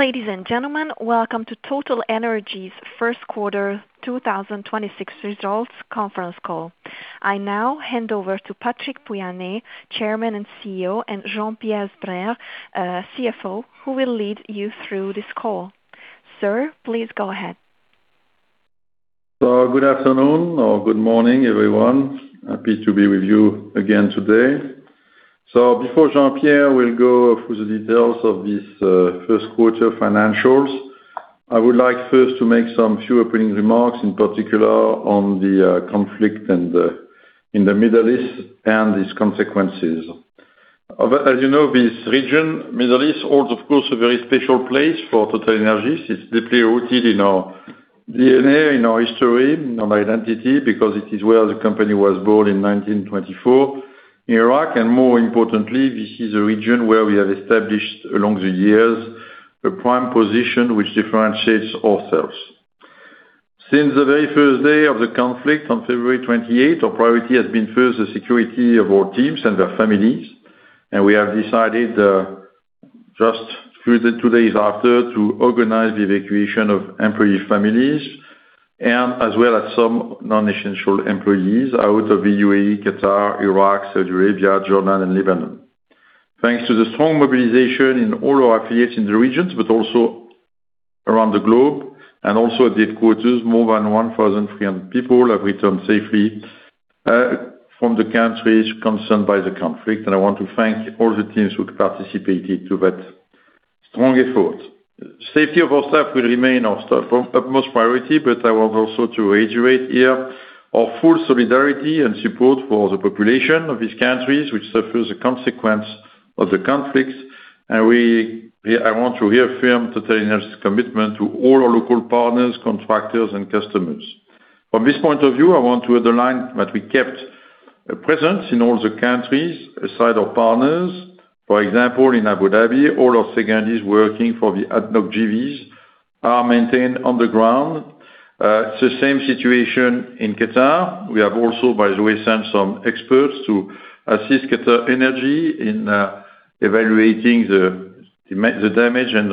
Ladies and gentlemen, welcome to TotalEnergies' first quarter 2026 results conference call. I now hand over to Patrick Pouyanné, Chairman and CEO, and Jean-Pierre Sbraire, CFO, who will lead you through this call. Sir, please go ahead. Good afternoon or good morning, everyone. Happy to be with you again today. Before Jean-Pierre will go through the details of this first quarter financials, I would like first to make some few opening remarks, in particular on the conflict and in the Middle East and its consequences. As you know, this region, Middle East, holds of course, a very special place for TotalEnergies. It's deeply rooted in our DNA, in our history, in our identity, because it is where the company was born in 1924 in Iraq. More importantly, this is a region where we have established along the years a prime position which differentiates ourselves. Since the very first day of the conflict on February 28, our priority has been first the security of our teams and their families. We have decided, just through the two days after, to organize the evacuation of employee families and as well as some non-essential employees out of the UAE, Qatar, Iraq, Saudi Arabia, Jordan, and Lebanon. Thanks to the strong mobilization in all our affiliates in the regions, but also around the globe and also at the headquarters, more than 1,300 people have returned safely from the countries concerned by the conflict. I want to thank all the teams who participated to that strong effort. Safety of our staff will remain our utmost priority, but I want also to reiterate here our full solidarity and support for the population of these countries which suffers a consequence of the conflicts. I want to reaffirm TotalEnergies' commitment to all our local partners, contractors, and customers. From this point of view, I want to underline that we kept a presence in all the countries aside our partners. For example, in Abu Dhabi, all our secondees is working for the ADNOC JVs are maintained on the ground. It's the same situation in Qatar. We have also, by the way, sent some experts to assist QatarEnergy in evaluating the damage and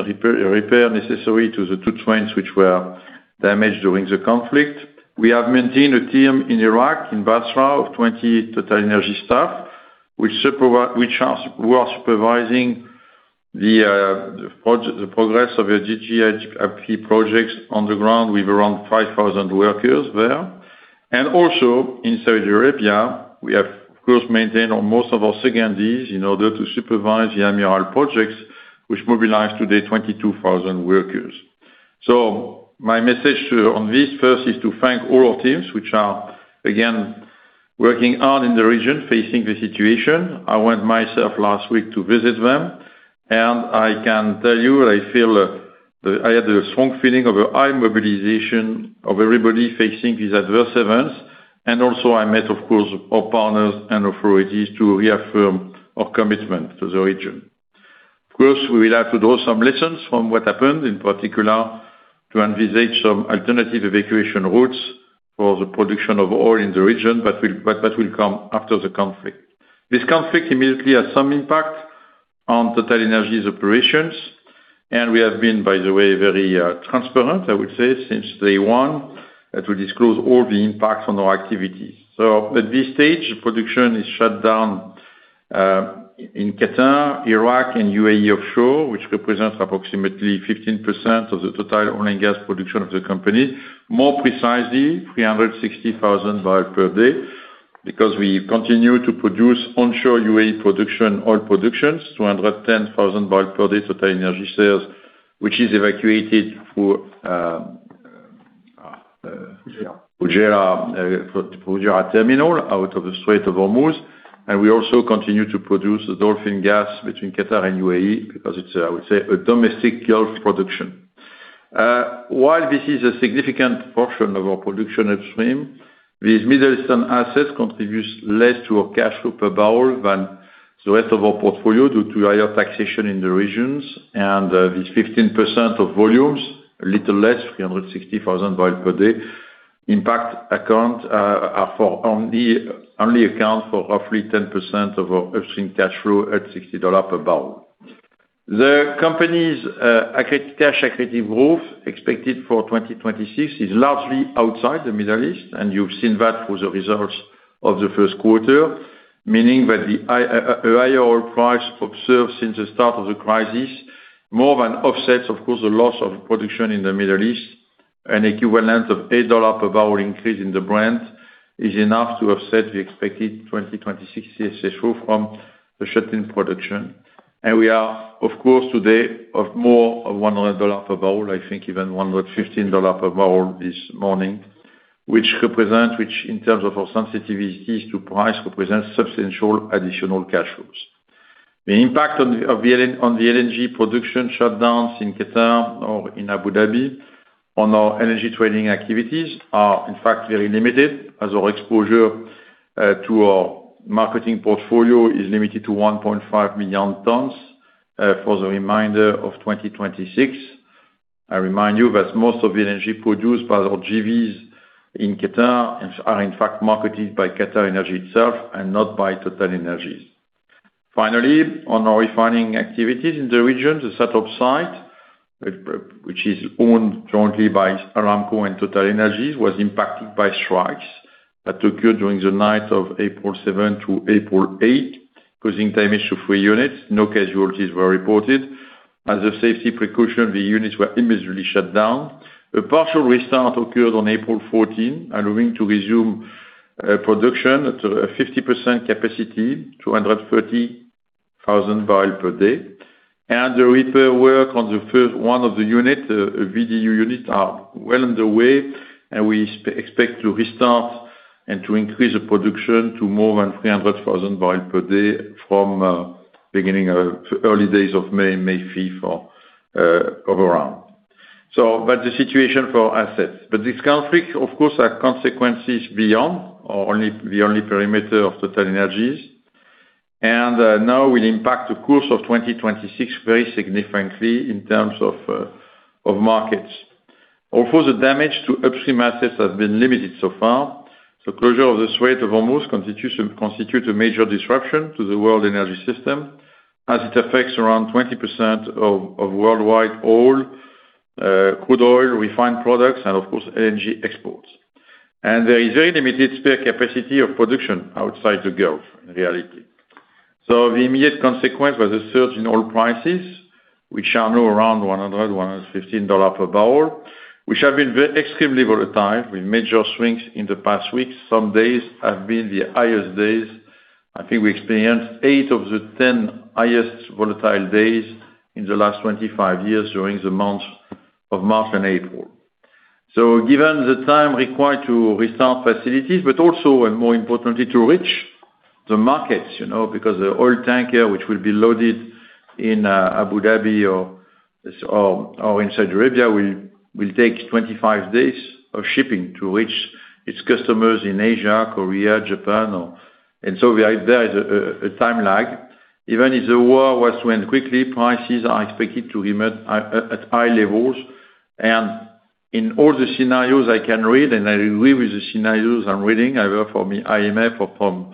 repair necessary to the two trains which were damaged during the conflict. We have maintained a team in Iraq, in Basra, of 20 TotalEnergies staff, who are supervising the progress of the GGIP projects on the ground with around 5,000 workers there. Also in Saudi Arabia, we have of course maintained on most of our secondees in order to supervise the Amiral projects, which mobilize today 22,000 workers. My message to on this first is to thank all our teams which are again working hard in the region facing the situation. I went myself last week to visit them, and I can tell you I had a strong feeling of a high mobilization of everybody facing these adverse events. Also I met, of course, our partners and authorities to reaffirm our commitment to the region. Of course, we will have to draw some lessons from what happened, in particular to envisage some alternative evacuation routes for the production of oil in the region, but that will come after the conflict. This conflict immediately has some impact on TotalEnergies' operations. We have been, by the way, very transparent, I would say, since day one, to disclose all the impacts on our activities. At this stage, production is shut down in Qatar, Iraq and UAE offshore, which represents approximately 15% of the total oil and gas production of the company. More precisely, 360,000 barrels per day, because we continue to produce onshore UAE production, oil productions, 210,000 barrels per day TotalEnergies sales, which is evacuated through. Fujairah. Fujairah terminal out of the Strait of Hormuz. We also continue to produce the dolphin gas between Qatar and UAE because it's, I would say, a domestic gulf production. While this is a significant portion of our production upstream, these Middle Eastern assets contributes less to our cash flow per barrel than the rest of our portfolio due to higher taxation in the regions. This 15% of volumes, a little less, 360,000 bbls per day, impact account, only account for roughly 10% of our upstream cash flow at $60 per bbl. The company's cash accredited growth expected for 2026 is largely outside the Middle East. You've seen that through the results of the first quarter. Meaning that the higher oil price observed since the start of the crisis, more than offsets of course, the loss of production in the Middle East. An equivalent of EUR 8 per barrel increase in the Brent is enough to offset the expected 2026 cash flow from the shut-in production. We are, of course, today of more of EUR 100 per bbl, I think even EUR 115 per barrel this morning, which represents, which in terms of our sensitivities to price, represents substantial additional cash flows. The impact on the LNG production shutdowns in Qatar or in Abu Dhabi on our energy trading activities are in fact, very limited as our exposure to our marketing portfolio is limited to 1.5 million tons for the remainder of 2026. I remind you that most of the energy produced by our JVs in Qatar are in fact marketed by QatarEnergy itself and not by TotalEnergies. Finally, on our refining activities in the region, the SATORP site, which is owned jointly by Aramco and TotalEnergies, was impacted by strikes that occurred during the night of April 7 to April 8, causing damage to three units. No casualties were reported. As a safety precaution, the units were immediately shut down. A partial restart occurred on April 14th, allowing to resume production to a 50% capacity, 230,000 barrels per day. The repair work on the first one of the unit, VDU unit, are well underway, and we expect to restart and to increase the production to more than 300,000 bbl per day from beginning of early days of May 5th or around. That's the situation for assets. This conflict, of course, has consequences beyond or only, the only perimeter of TotalEnergies, and now will impact the course of 2026 very significantly in terms of markets. Of course, the damage to upstream assets has been limited so far. The closure of the Strait of Hormuz constitute a major disruption to the world energy system as it affects around 20% of worldwide oil, crude oil, refined products and of course, LNG exports. There is very limited spare capacity of production outside the Gulf, in reality. The immediate consequence was a surge in oil prices, which are now around EUR 100-EUR 115 per bbl, which have been extremely volatile with major swings in the past weeks. Some days have been the highest days. I think we experienced 8 of the 10 highest volatile days in the last 25 years during the month of March and April. Given the time required to restart facilities, but also, and more importantly, to reach the markets, you know, because the oil tanker, which will be loaded in Abu Dhabi or in Saudi Arabia, will take 25 days of shipping to reach its customers in Asia, Korea, Japan, or. There is a time lag. Even if the war was to end quickly, prices are expected to remain at high levels. In all the scenarios I can read, and I agree with the scenarios I'm reading, either from IMF or from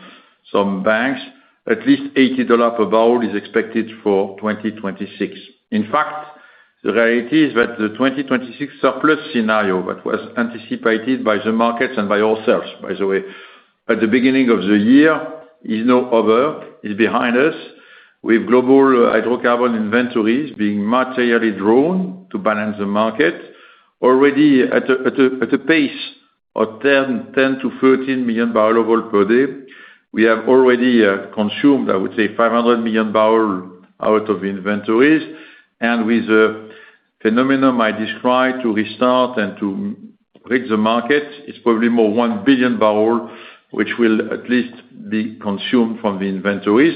some banks, at least EUR 80 per bbl is expected for 2026. In fact, the reality is that the 2026 surplus scenario that was anticipated by the markets and by ourselves, by the way, at the beginning of the year, is no other, is behind us, with global hydrocarbon inventories being materially drawn to balance the market already at a pace of 10 million-13 million barrel oil per day. We have already consumed, I would say, 500 million barrel out of inventories. With the phenomenon I described to restart and to rig the market, it's probably more 1 billion barrel, which will at least be consumed from the inventories.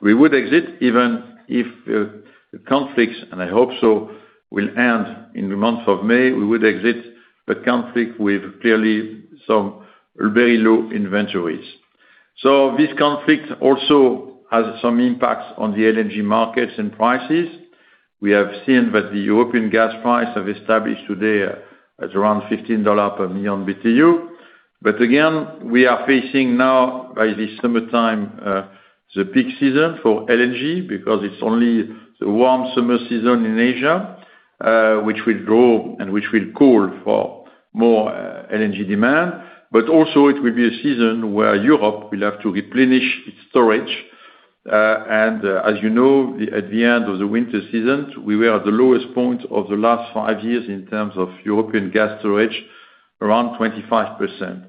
We would exit even if the conflicts, and I hope so, will end in the month of May. We would exit the conflict with clearly some very low inventories. This conflict also has some impacts on the LNG markets and prices. We have seen that the European gas price have established today at around EUR 15 per MMBtu. Again, we are facing now, by this summertime, the peak season for LNG because it's only the warm summer season in Asia, which will grow and which will call for more LNG demand. Also, it will be a season where Europe will have to replenish its storage. And, as you know, at the end of the winter season, we were at the lowest point of the last five years in terms of European gas storage, around 25%.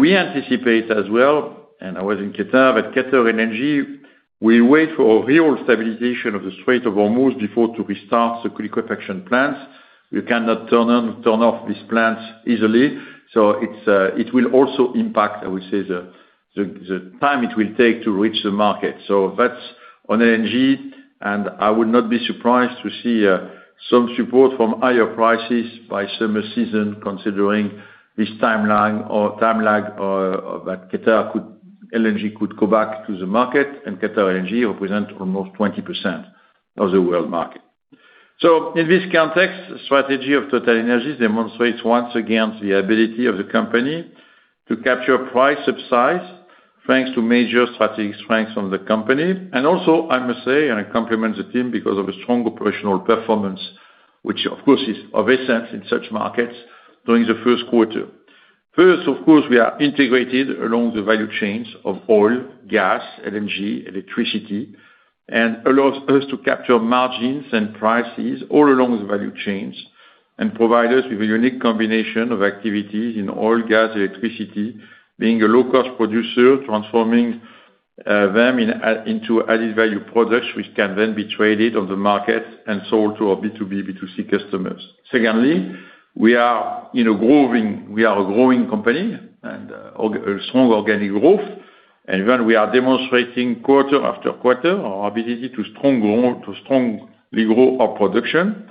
We anticipate as well, and I was in Qatar, that QatarEnergy will wait for real stabilization of the Strait of Hormuz before to restart the liquefaction plants. You cannot turn on and turn off these plants easily. It's, it will also impact, I would say, the time it will take to reach the market. That's on LNG. I would not be surprised to see some support from higher prices by summer season considering this timeline or time lag that LNG could go back to the market and QatarEnergy represent almost 20% of the world market. In this context, strategy of TotalEnergies demonstrates once again the ability of the company to capture price upsize, thanks to major strategic strengths of the company. Also, I must say, I compliment the team because of a strong operational performance, which of course is of essence in such markets during the first quarter. First, of course, we are integrated along the value chains of oil, gas, LNG, electricity, and allows us to capture margins and prices all along the value chains and provide us with a unique combination of activities in oil, gas, electricity, being a low-cost producer, transforming them into added value products which can then be traded on the market and sold to our B2B, B2C customers. Secondly, we are a growing company and a strong organic growth. When we are demonstrating quarter after quarter our ability to strongly grow our production,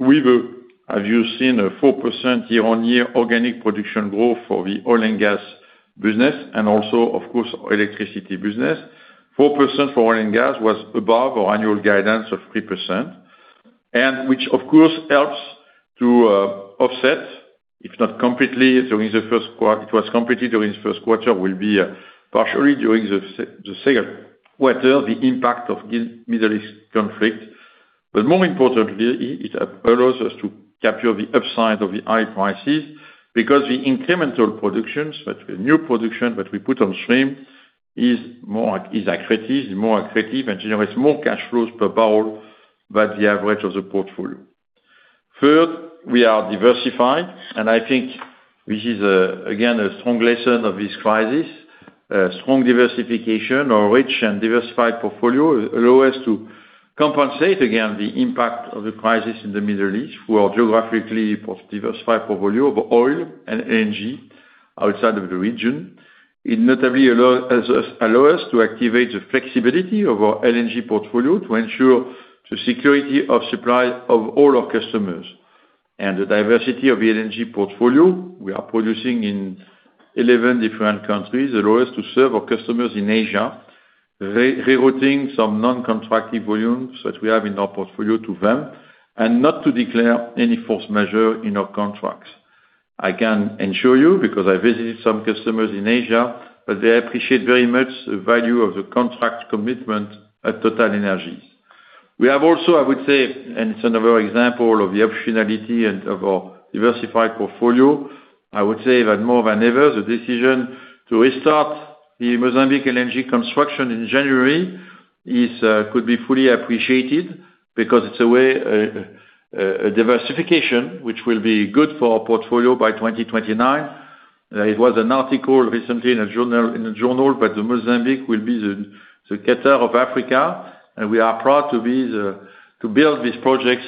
have you seen a 4% year-over-year organic production growth for the oil and gas business and also, of course, electricity business? 4% for oil and gas was above our annual guidance of 3%. Which, of course, helps to offset, if not completely during the first quarter, it was completely during the first quarter, will be partially during the second quarter, the impact of the Middle East conflict. More importantly, it allows us to capture the upside of the high prices because the incremental productions, that the new production that we put on stream is more accretive, and generates more cash flows per barrel than the average of the portfolio. Third, we are diversified, and I think this is again a strong lesson of this crisis. Strong diversification or rich and diversified portfolio allow us to compensate again the impact of the crisis in the Middle East for our geographically diversified portfolio of oil and LNG outside of the region. It notably allow us to activate the flexibility of our LNG portfolio to ensure the security of supply of all our customers. The diversity of the LNG portfolio, we are producing in 11 different countries, allow us to serve our customers in Asia, re-rerouting some non-contractive volumes that we have in our portfolio to them and not to declare any force majeure in our contracts. I can ensure you, because I visited some customers in Asia, that they appreciate very much the value of the contract commitment at TotalEnergies. We have also, I would say, and it's another example of the optionality and of our diversified portfolio, I would say that more than ever, the decision to restart the Mozambique LNG construction in January is could be fully appreciated because it's a way, a diversification which will be good for our portfolio by 2029. There was an article recently in a journal, that Mozambique will be the Qatar of Africa, and we are proud to be the, to build these projects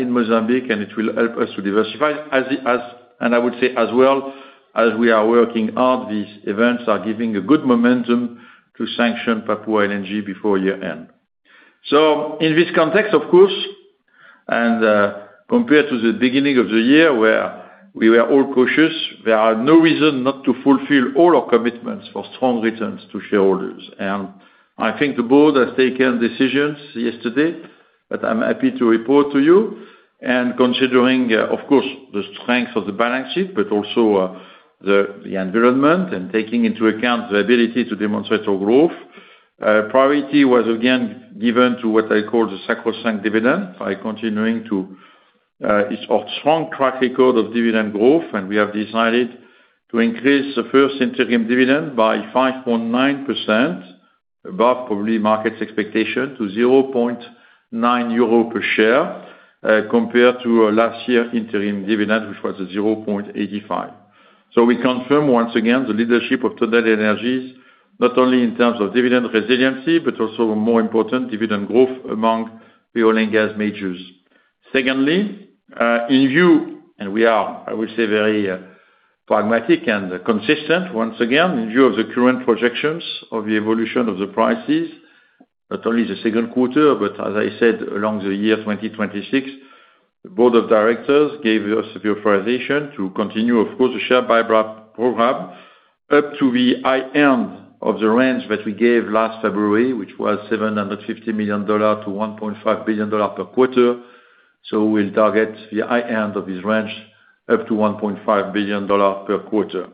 in Mozambique, and it will help us to diversify. As, and I would say as well, as we are working hard, these events are giving a good momentum to sanction Papua LNG before year-end. In this context, of course, and, compared to the beginning of the year where we were all cautious, there are no reason not to fulfill all our commitments for strong returns to shareholders. I think the board has taken decisions yesterday that I'm happy to report to you. Considering, of course, the strength of the balance sheet, but also, the environment and taking into account the ability to demonstrate our growth, priority was again given to what I call the sacrosanct dividend by continuing to our strong track record of dividend growth. We have decided to increase the first interim dividend by 5.9%, above probably market's expectation, to 0.9 euro per share, compared to last year interim dividend, which was 0.85. We confirm once again the leadership of TotalEnergies, not only in terms of dividend resiliency, but also more important, dividend growth among the oil and gas majors. Secondly, in view, and we are, I would say, very pragmatic and consistent, once again, in view of the current projections of the evolution of the prices, not only the 2Q, but as I said, along the year 2026, the board of directors gave us the authorization to continue, of course, the share buyback program up to the high end of the range that we gave last February, which was $750 million to $1.5 billion per quarter. We'll target the high end of this range up to $1.5 billion per quarter.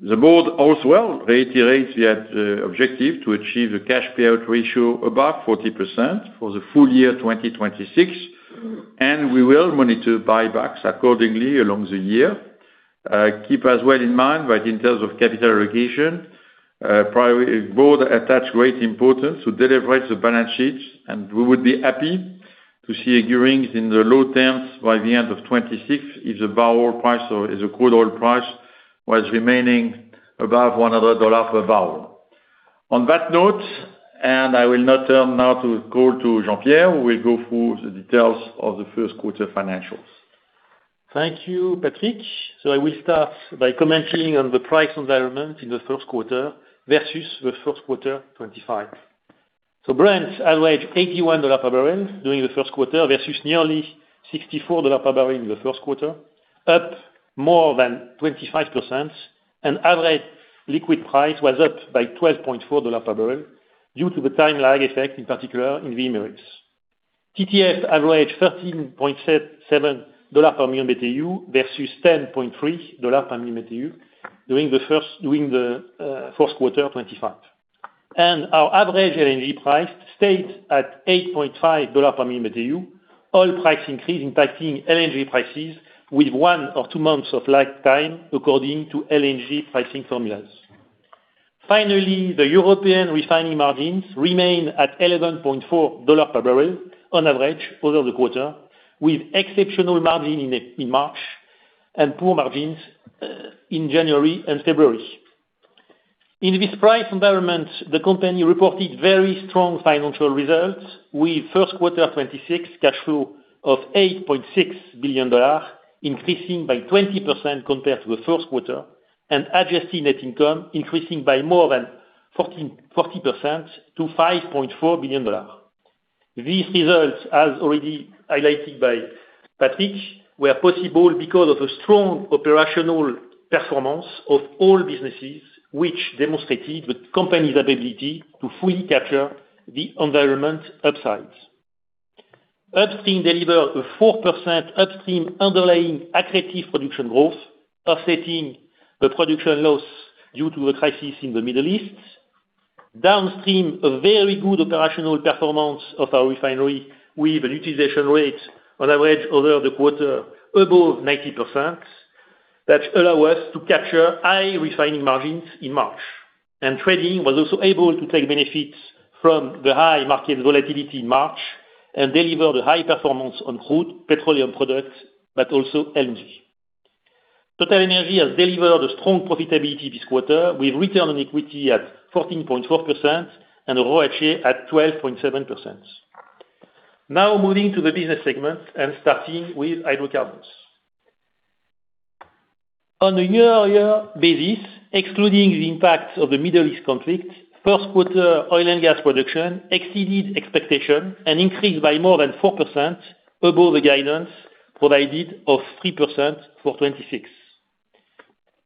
The Board also reiterates we had objective to achieve the cash payout ratio above 40% for the full year 2026, and we will monitor buybacks accordingly along the year. Keep as well in mind that in terms of capital allocation priority, Board attach great importance to deliver the balance sheets, and we would be happy to see a gearing in the low 10s by the end of 2026 if the barrel price or if the crude oil price was remaining above $100 per bbl. On that note, I will now turn now to call to Jean-Pierre, who will go through the details of the first quarter financials. Thank you, Patrick. I will start by commenting on the price environment in the first quarter versus the first quarter 2025. Brent averaged $81 per barrel during the first quarter versus nearly $64 per bbl in the first quarter, up more than 25%. Average liquid price was up by $12.4 per bbl due to the time lag effect, in particular in the Americas. TTF averaged $13.7 per MMBtu versus $10.3 per MMBtu during the first quarter 2025. Our average LNG price stayed at $8.5 per MMBtu. Oil price increase impacting LNG prices with one or two months of lag time according to LNG pricing formulas. The European refining margins remain at EUR 11.4 per bbl on average over the quarter, with exceptional margin in March and poor margins in January and February. In this price environment, the company reported very strong financial results with first quarter 2026 cash flow of EUR 8.6 billion, increasing by 20% compared to the first quarter, and adjusted net income increasing by more than 40% to EUR 5.4 billion. These results, as already highlighted by Patrick, were possible because of a strong operational performance of all businesses, which demonstrated the company's ability to fully capture the environment upsides. Upstream delivered a 4% upstream underlying accretive production growth, offsetting the production loss due to the crisis in the Middle East. Downstream, a very good operational performance of our refinery with a utilization rate on average over the quarter above 90% that allow us to capture high refining margins in March. Trading was also able to take benefits from the high market volatility in March and deliver the high performance on crude petroleum products, but also LNG. TotalEnergies has delivered a strong profitability this quarter with return on equity at 14.4% and ROACE at 12.7%. Now moving to the business segment and starting with hydrocarbons. On a year-on-year basis, excluding the impact of the Middle East conflict, first quarter oil and gas production exceeded expectations and increased by more than 4% above the guidance provided of 3% for 2026.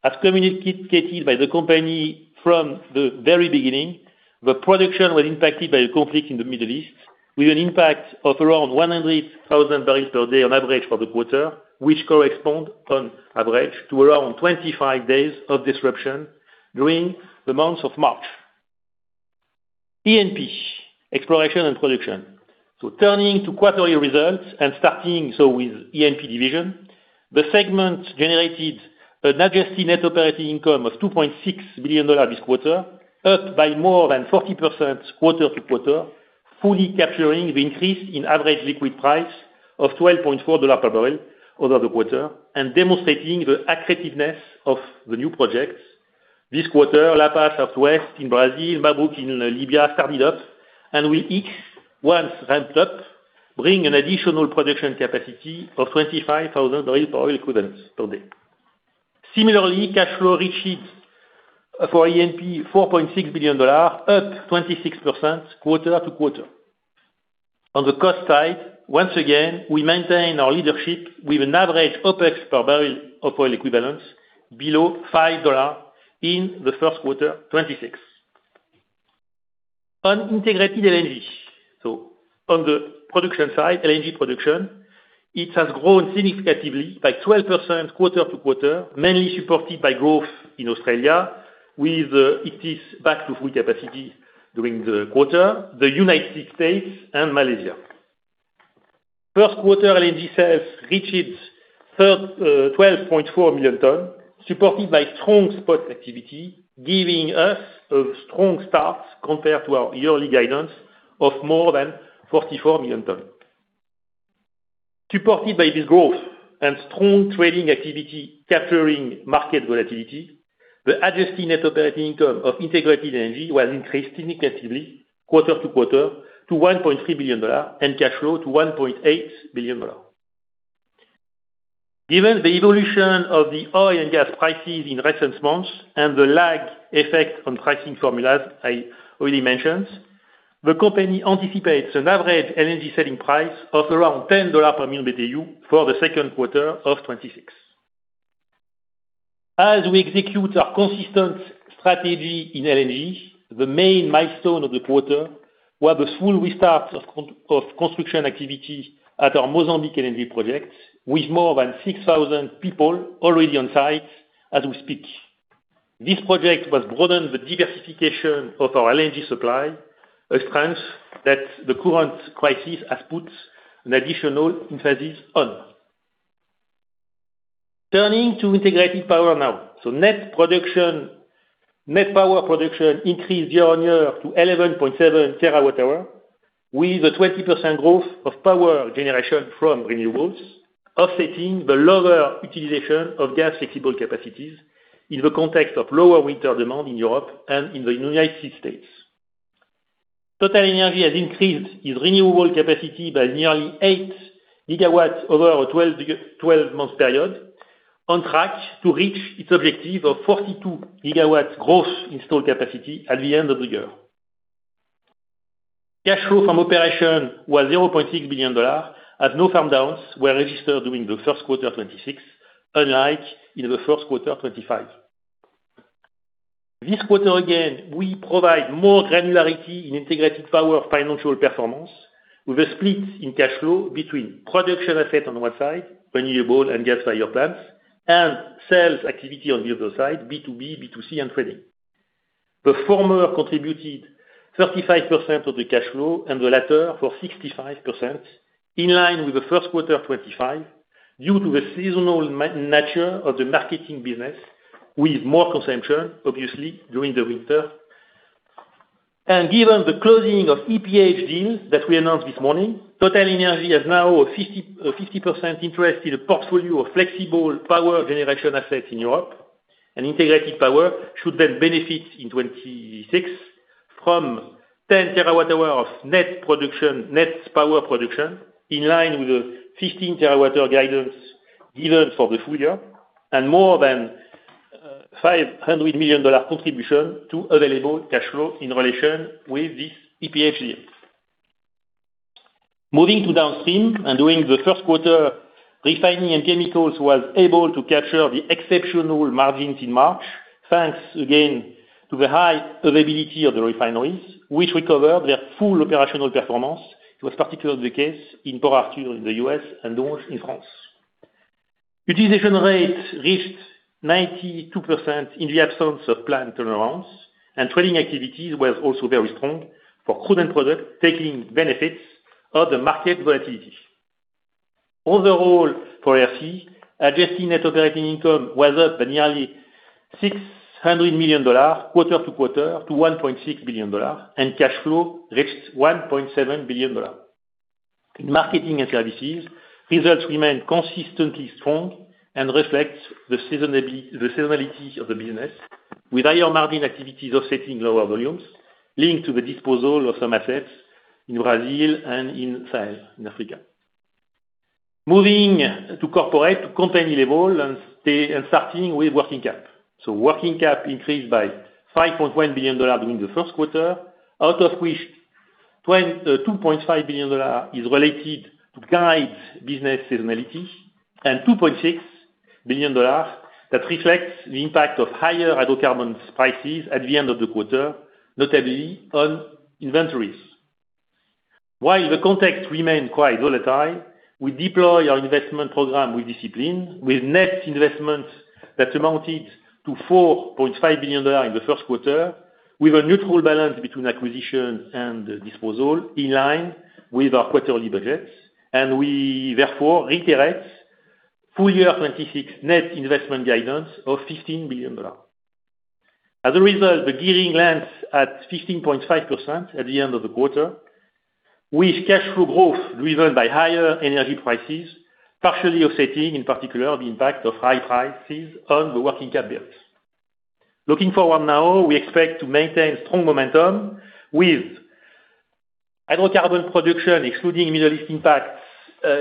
As communicated by the company from the very beginning, the production was impacted by the conflict in the Middle East with an impact of around 100,000 barrels per day on average for the quarter, which correspond on average to around 25 days of disruption during the month of March. E&P, exploration and production. Turning to quarterly results and starting so with E&P division, the segment generated an adjusted net operating income of $2.6 billion this quarter, up by more than 40% quarter-to-quarter, fully capturing the increase in average liquid price of $12.4 per barrel over the quarter and demonstrating the attractiveness of the new projects. This quarter, Lapa Southwest in Brazil, Mabruk in Libya started up and will each, once ramped up, bring an additional production capacity of 25,000 barrel oil equivalents per day. Similarly, cash flow reached for E&P, EUR 4.6 billion, up 26% quarter-to-quarter. On the cost side, once again, we maintain our leadership with an average OpEx per barrel of oil equivalents below EUR 5 in the first quarter 2026. On integrated LNG. On the production side, LNG production, it has grown significantly by 12% quarter-to-quarter, mainly supported by growth in Australia with it is back to full capacity during the quarter, the United States and Malaysia. First quarter LNG sales reached 12.4 million tons, supported by strong spot activity, giving us a strong start compared to our yearly guidance of more than 44 million tons. Supported by this growth and strong trading activity capturing market volatility, the adjusted net operating income of Integrated LNG was increased significantly quarter-to-quarter to $1.3 billion and cash flow to $1.8 billion. Given the evolution of the oil and gas prices in recent months and the lag effect on pricing formulas I already mentioned, the company anticipates an average LNG selling price of around $10 per MMBtu for the second quarter of 2026. As we execute our consistent strategy in LNG, the main milestone of the quarter were the full restart of construction activity at our Mozambique LNG project, with more than 6,000 people already on site as we speak. This project will broaden the diversification of our LNG supply, a strength that the current crisis has put an additional emphasis on. Turning to Integrated Power now. Net power production increased year-on-year to 11.7 TWh, with a 20% growth of power generation from renewables offsetting the lower utilization of gas-flexible capacities in the context of lower winter demand in Europe and in the U.S. TotalEnergies has increased its renewable capacity by nearly 8 GW over a 12-month period, on track to reach its objective of 42 GW gross installed capacity at the end of the year. Cash flow from operation was $0.6 billion, as no shutdowns were registered during the first quarter 2026, unlike in the first quarter 2025. This quarter again, we provide more granularity in integrated power financial performance with a split in cash flow between production asset on one side, renewable and gas-fired plants, and sales activity on the other side, B2B, B2C, and trading. The former contributed 35% of the cash flow and the latter for 65%, in line with the first quarter 2025, due to the seasonal nature of the marketing business, with more consumption obviously during the winter. Given the closing of EPH deal that we announced this morning, TotalEnergies has now a 50% interest in a portfolio of flexible power generation assets in Europe, and integrated power should then benefit in 2026 from 10 TWh of net production, net power production, in line with the 15 terawatt-hour guidance given for the full year and more than $500 million contribution to available cash flow in relation with this EPH deal. Moving to downstream and doing the first quarter, Refining & Chemicals was able to capture the exceptional margins in March, thanks again to the high availability of the refineries which recovered their full operational performance. It was particularly the case in Port Arthur in the U.S. and those in France. Utilization rate reached 92% in the absence of plant turnarounds. Trading activities was also very strong for crude and product, taking benefits of the market volatility. Overall, for RC, adjusted net operating income was up by nearly EUR 600 million quarter-to-quarter to EUR 1.6 billion, and cash flow reached EUR 1.7 billion. In marketing and services, results remain consistently strong and reflects the seasonality of the business, with higher margin activities offsetting lower volumes linked to the disposal of some assets in Brazil and in sales in Africa. Moving to corporate company level and starting with working cap. Working cap increased by EUR 5.1 billion during the first quarter, out of which EUR 2.5 billion is related to guide business seasonality and EUR 2.6 billion that reflects the impact of higher hydrocarbons prices at the end of the quarter, notably on inventories. While the context remain quite volatile, we deploy our investment program with discipline, with net investments that amounted to EUR 4.5 billion in the first quarter, with a neutral balance between acquisition and disposal in line with our quarterly budgets. We therefore reiterate full year 2026 net investment guidance of EUR 15 billion. As a result, the gearing lands at 15.5% at the end of the quarter, with cash flow growth driven by higher energy prices, partially offsetting, in particular, the impact of high prices on the working cap bills. Looking forward now, we expect to maintain strong momentum with hydrocarbon production, excluding Middle East impact,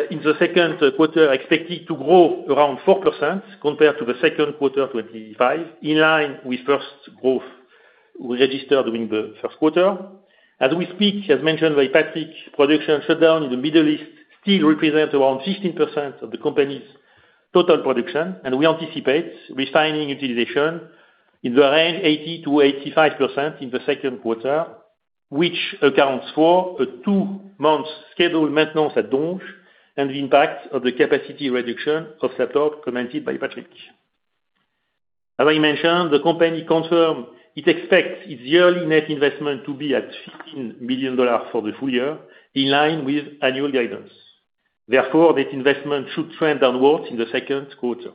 in the second quarter, expected to grow around 4% compared to the second quarter 2025, in line with first growth we registered during the first quarter. As we speak, as mentioned by Patrick, production shutdown in the Middle East still represents around 15% of the company's total production. We anticipate refining utilization in the range 80%-85% in the second quarter, which accounts for a two-month scheduled maintenance at Donges and the impact of the capacity reduction of SATORP commented by Patrick. As I mentioned, the company confirmed it expects its yearly net investment to be at $15 billion for the full year, in line with annual guidance. Therefore, this investment should trend downwards in the second quarter.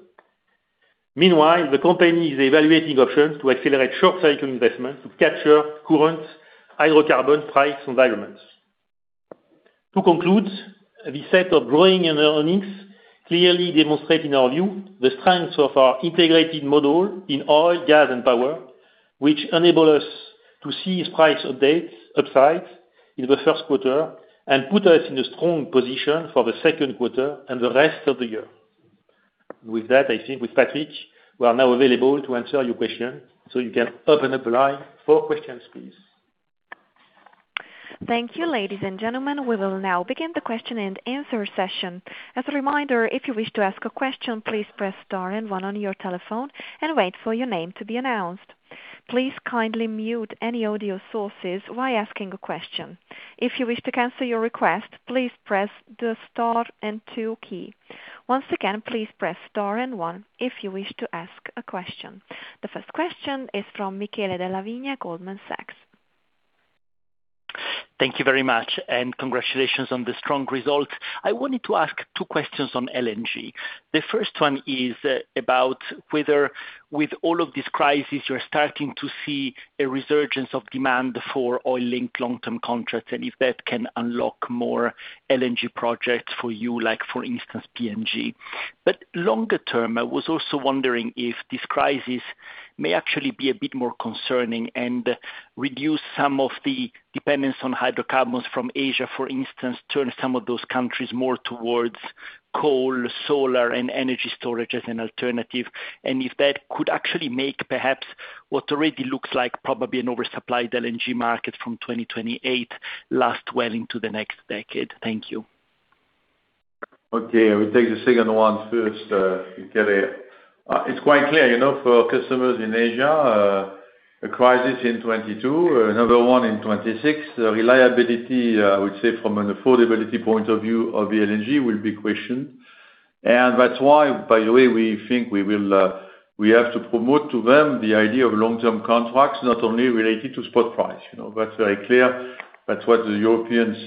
Meanwhile, the company is evaluating options to accelerate short-cycle investment to capture current hydrocarbon price environments. To conclude, the set of growing earnings clearly demonstrate, in our view, the strength of our integrated model in oil, gas and power, which enable us to seize price updates upside in the first quarter and put us in a strong position for the second quarter and the rest of the year. With that, I think with Patrick, we are now available to answer your question, so you can open up the line for questions, please. Thank you, ladies and gentlemen. We will now begin the question-and-answer session. As a reminder, if you wish to ask a question, please press star and one on your telephone and wait for your name to be announced. Please kindly mute any audio sources while asking a question. If you wish to cancel your request, please press the star and two key. Once again, please press star and one if you wish to ask a question. The first question is from Michele Della Vigna, Goldman Sachs. Thank you very much, and congratulations on the strong results. I wanted to ask two questions on LNG. The first one is about whether with all of this crisis you're starting to see a resurgence of demand for oil-linked long-term contracts and if that can unlock more LNG projects for you, like for instance, Papua LNG. Longer term, I was also wondering if this crisis may actually be a bit more concerning and reduce some of the dependence on hydrocarbons from Asia, for instance, turn some of those countries more towards coal, solar and energy storage as an alternative. If that could actually make perhaps what already looks like probably an oversupplied LNG market from 2028 last well into the next decade. Thank you. Okay, I will take the second one first, Michele. It's quite clear, you know, for our customers in Asia, a crisis in 2022, another one in 2026. Reliability, I would say from an affordability point of view of the LNG will be questioned. That's why, by the way, we think we will, we have to promote to them the idea of long-term contracts, not only related to spot price. You know, that's very clear. That's what the Europeans,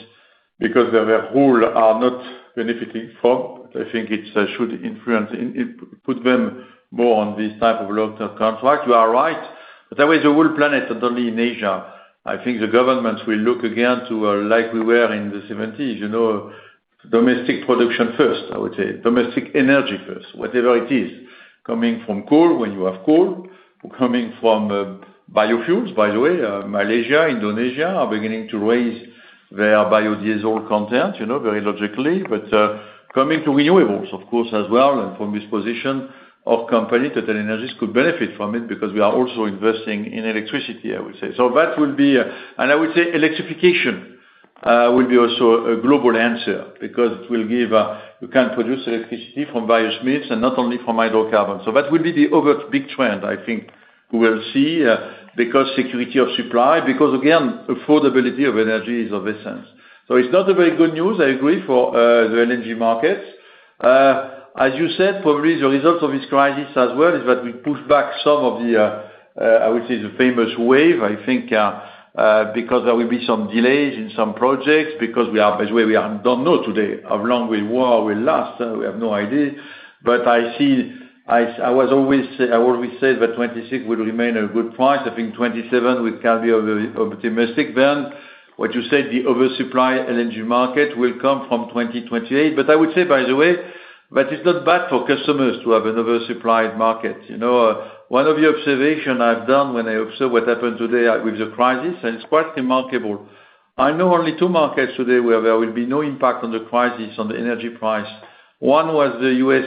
because their rule are not benefiting from. I think it should influence and put them more on this type of long-term contract. You are right. That way, the whole planet and only in Asia, I think the governments will look again to, like we were in the 1970s, you know, domestic production first. I would say domestic energy first, whatever it is, coming from coal, when you have coal, coming from biofuels. By the way, Malaysia, Indonesia are beginning to raise. Their biodiesel content, you know, very logically. Coming to renewables, of course, as well, and from this position of company, TotalEnergies could benefit from it because we are also investing in electricity, I would say. I would say electrification will be also a global answer because you can produce electricity from biomass and not only from hydrocarbon. That will be the other big trend, I think we will see, because security of supply, because again, affordability of energy is of essence. It's not a very good news, I agree, for the LNG markets. As you said, probably the results of this crisis as well, is that we push back some of the, I would say the famous wave, I think, because there will be some delays in some projects because by the way, we don't know today how long will war will last. We have no idea. I always say that 2026 will remain a good price. I think 2027 will, can be optimistic then. What you said, the oversupply LNG market will come from 2028. I would say, by the way, that it's not bad for customers to have an oversupplied market. You know, one of the observations I've done when I observe what happened today with the crisis, and it's quite remarkable. I know only two markets today where there will be no impact on the crisis, on the energy price. One was the U.S.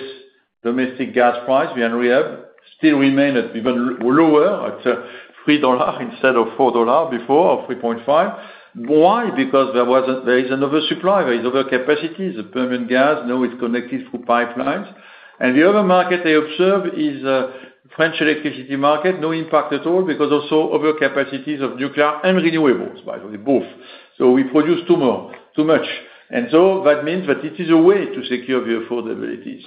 domestic gas price, we have still remained at even lower at EUR 3 instead of EUR 4 before, or 3.5. Why? Because there is an oversupply. There is overcapacity. The Permian gas now is connected through pipelines. The other market I observe is French electricity market. No impact at all because also overcapacities of nuclear and renewables, by the way, both. We produce too much. That means that it is a way to secure the affordability.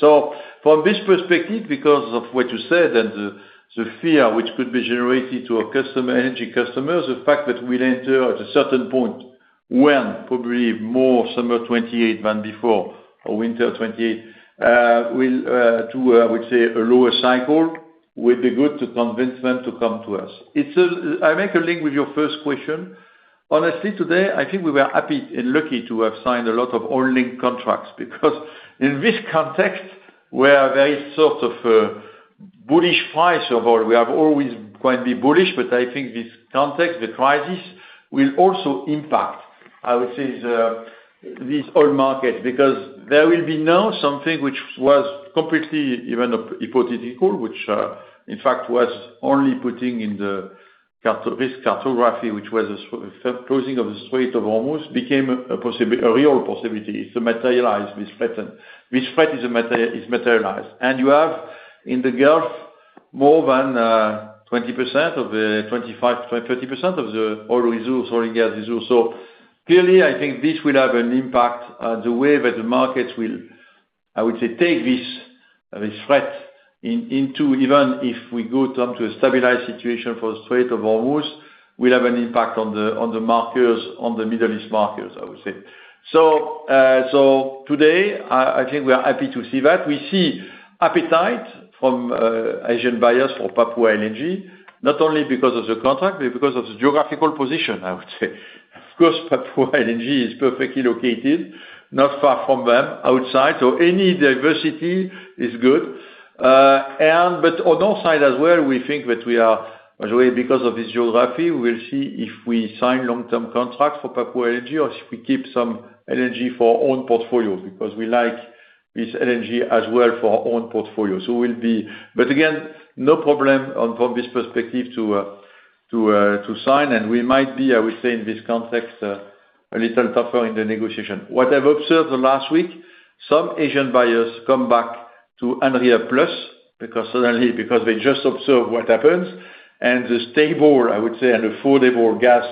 From this perspective, because of what you said, and the fear which could be generated to a customer, energy customer, the fact that we'll enter at a certain point when probably more summer 2028 than before or winter 2028, will, to, I would say a lower cycle will be good to convince them to come to us. I make a link with your first question. Honestly, today, I think we were happy and lucky to have signed a lot of oil link contracts because in this context, where there is sort of a bullish price overall, we have always quite been bullish, but I think this context, the crisis, will also impact, I would say, the, these oil markets. There will be now something which was completely even hypothetical, which, in fact, was only putting in this cartography, which was a closing of the Strait of Hormuz became a real possibility to materialize this threat. This threat is materialized. You have in the Gulf more than 20% of the 25%, 30% of the oil resource or gas resource. Clearly, I think this will have an impact on the way that the markets will, I would say, take this threat in, into even if we go down to a stabilized situation for Strait of Hormuz, will have an impact on the, on the markets, on the Middle East markets, I would say. Today, I think we are happy to see that. We see appetite from Asian buyers for Papua LNG, not only because of the contract, but because of the geographical position, I would say. Of course, Papua LNG is perfectly located, not far from them outside. Any diversity is good. On our side as well, we think that we are, by the way, because of this geography, we will see if we sign long-term contracts for Papua LNG or if we keep some LNG for own portfolio because we like this LNG as well for our own portfolio. We'll be. Again, no problem on, from this perspective to, to sign. We might be, I would say, in this context, a little tougher in the negotiation. What I've observed the last week, some Asian buyers come back to NREB plus because suddenly they just observe what happens and the stable, I would say, and affordable gas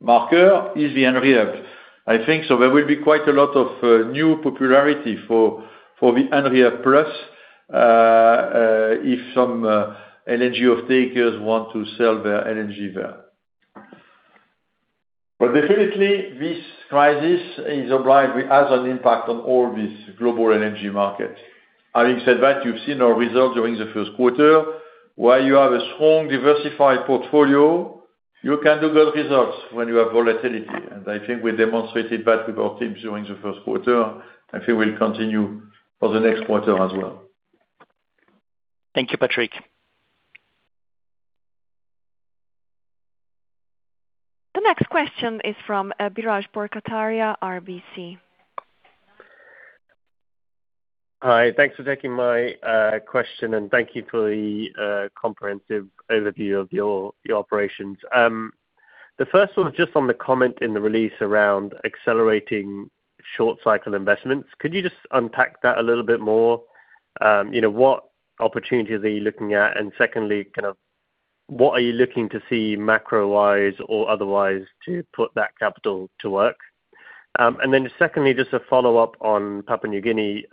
marker is the NREB. I think so there will be quite a lot of new popularity for the NREB plus if some LNG off-takers want to sell their LNG there. Definitely, this crisis has an impact on all these global LNG markets. Having said that, you've seen our results during the first quarter. While you have a strong, diversified portfolio, you can do good results when you have volatility. I think we demonstrated that with our teams during the first quarter. I think we'll continue for the next quarter as well. Thank you, Patrick. The next question is from Biraj Borkhataria, RBC. Hi. Thanks for taking my question, and thank you for the comprehensive overview of your operations. The first one, on the comment in the release around accelerating short cycle investments. Could you just unpack that a little bit more? You know, what opportunities are you looking at? Secondly, kind of what are you looking to see macro-wise or otherwise to put that capital to work? Secondly, just a follow-up on Papua New Guinea.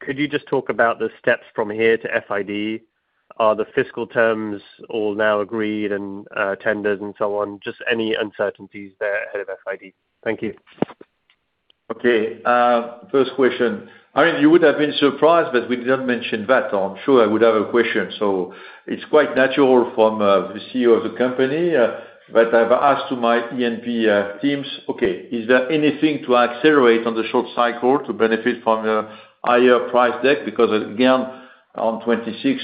Could you just talk about the steps from here to FID? Are the fiscal terms all now agreed and tendered and so on? Just any uncertainties there ahead of FID. Thank you. Okay. First question. I mean, you would have been surprised that we didn't mention that. I'm sure I would have a question. It's quite natural from the CEO of the company that I've asked to my E&P teams, "Okay, is there anything to accelerate on the short cycle to benefit from the higher price deck?" Because again, on 2026,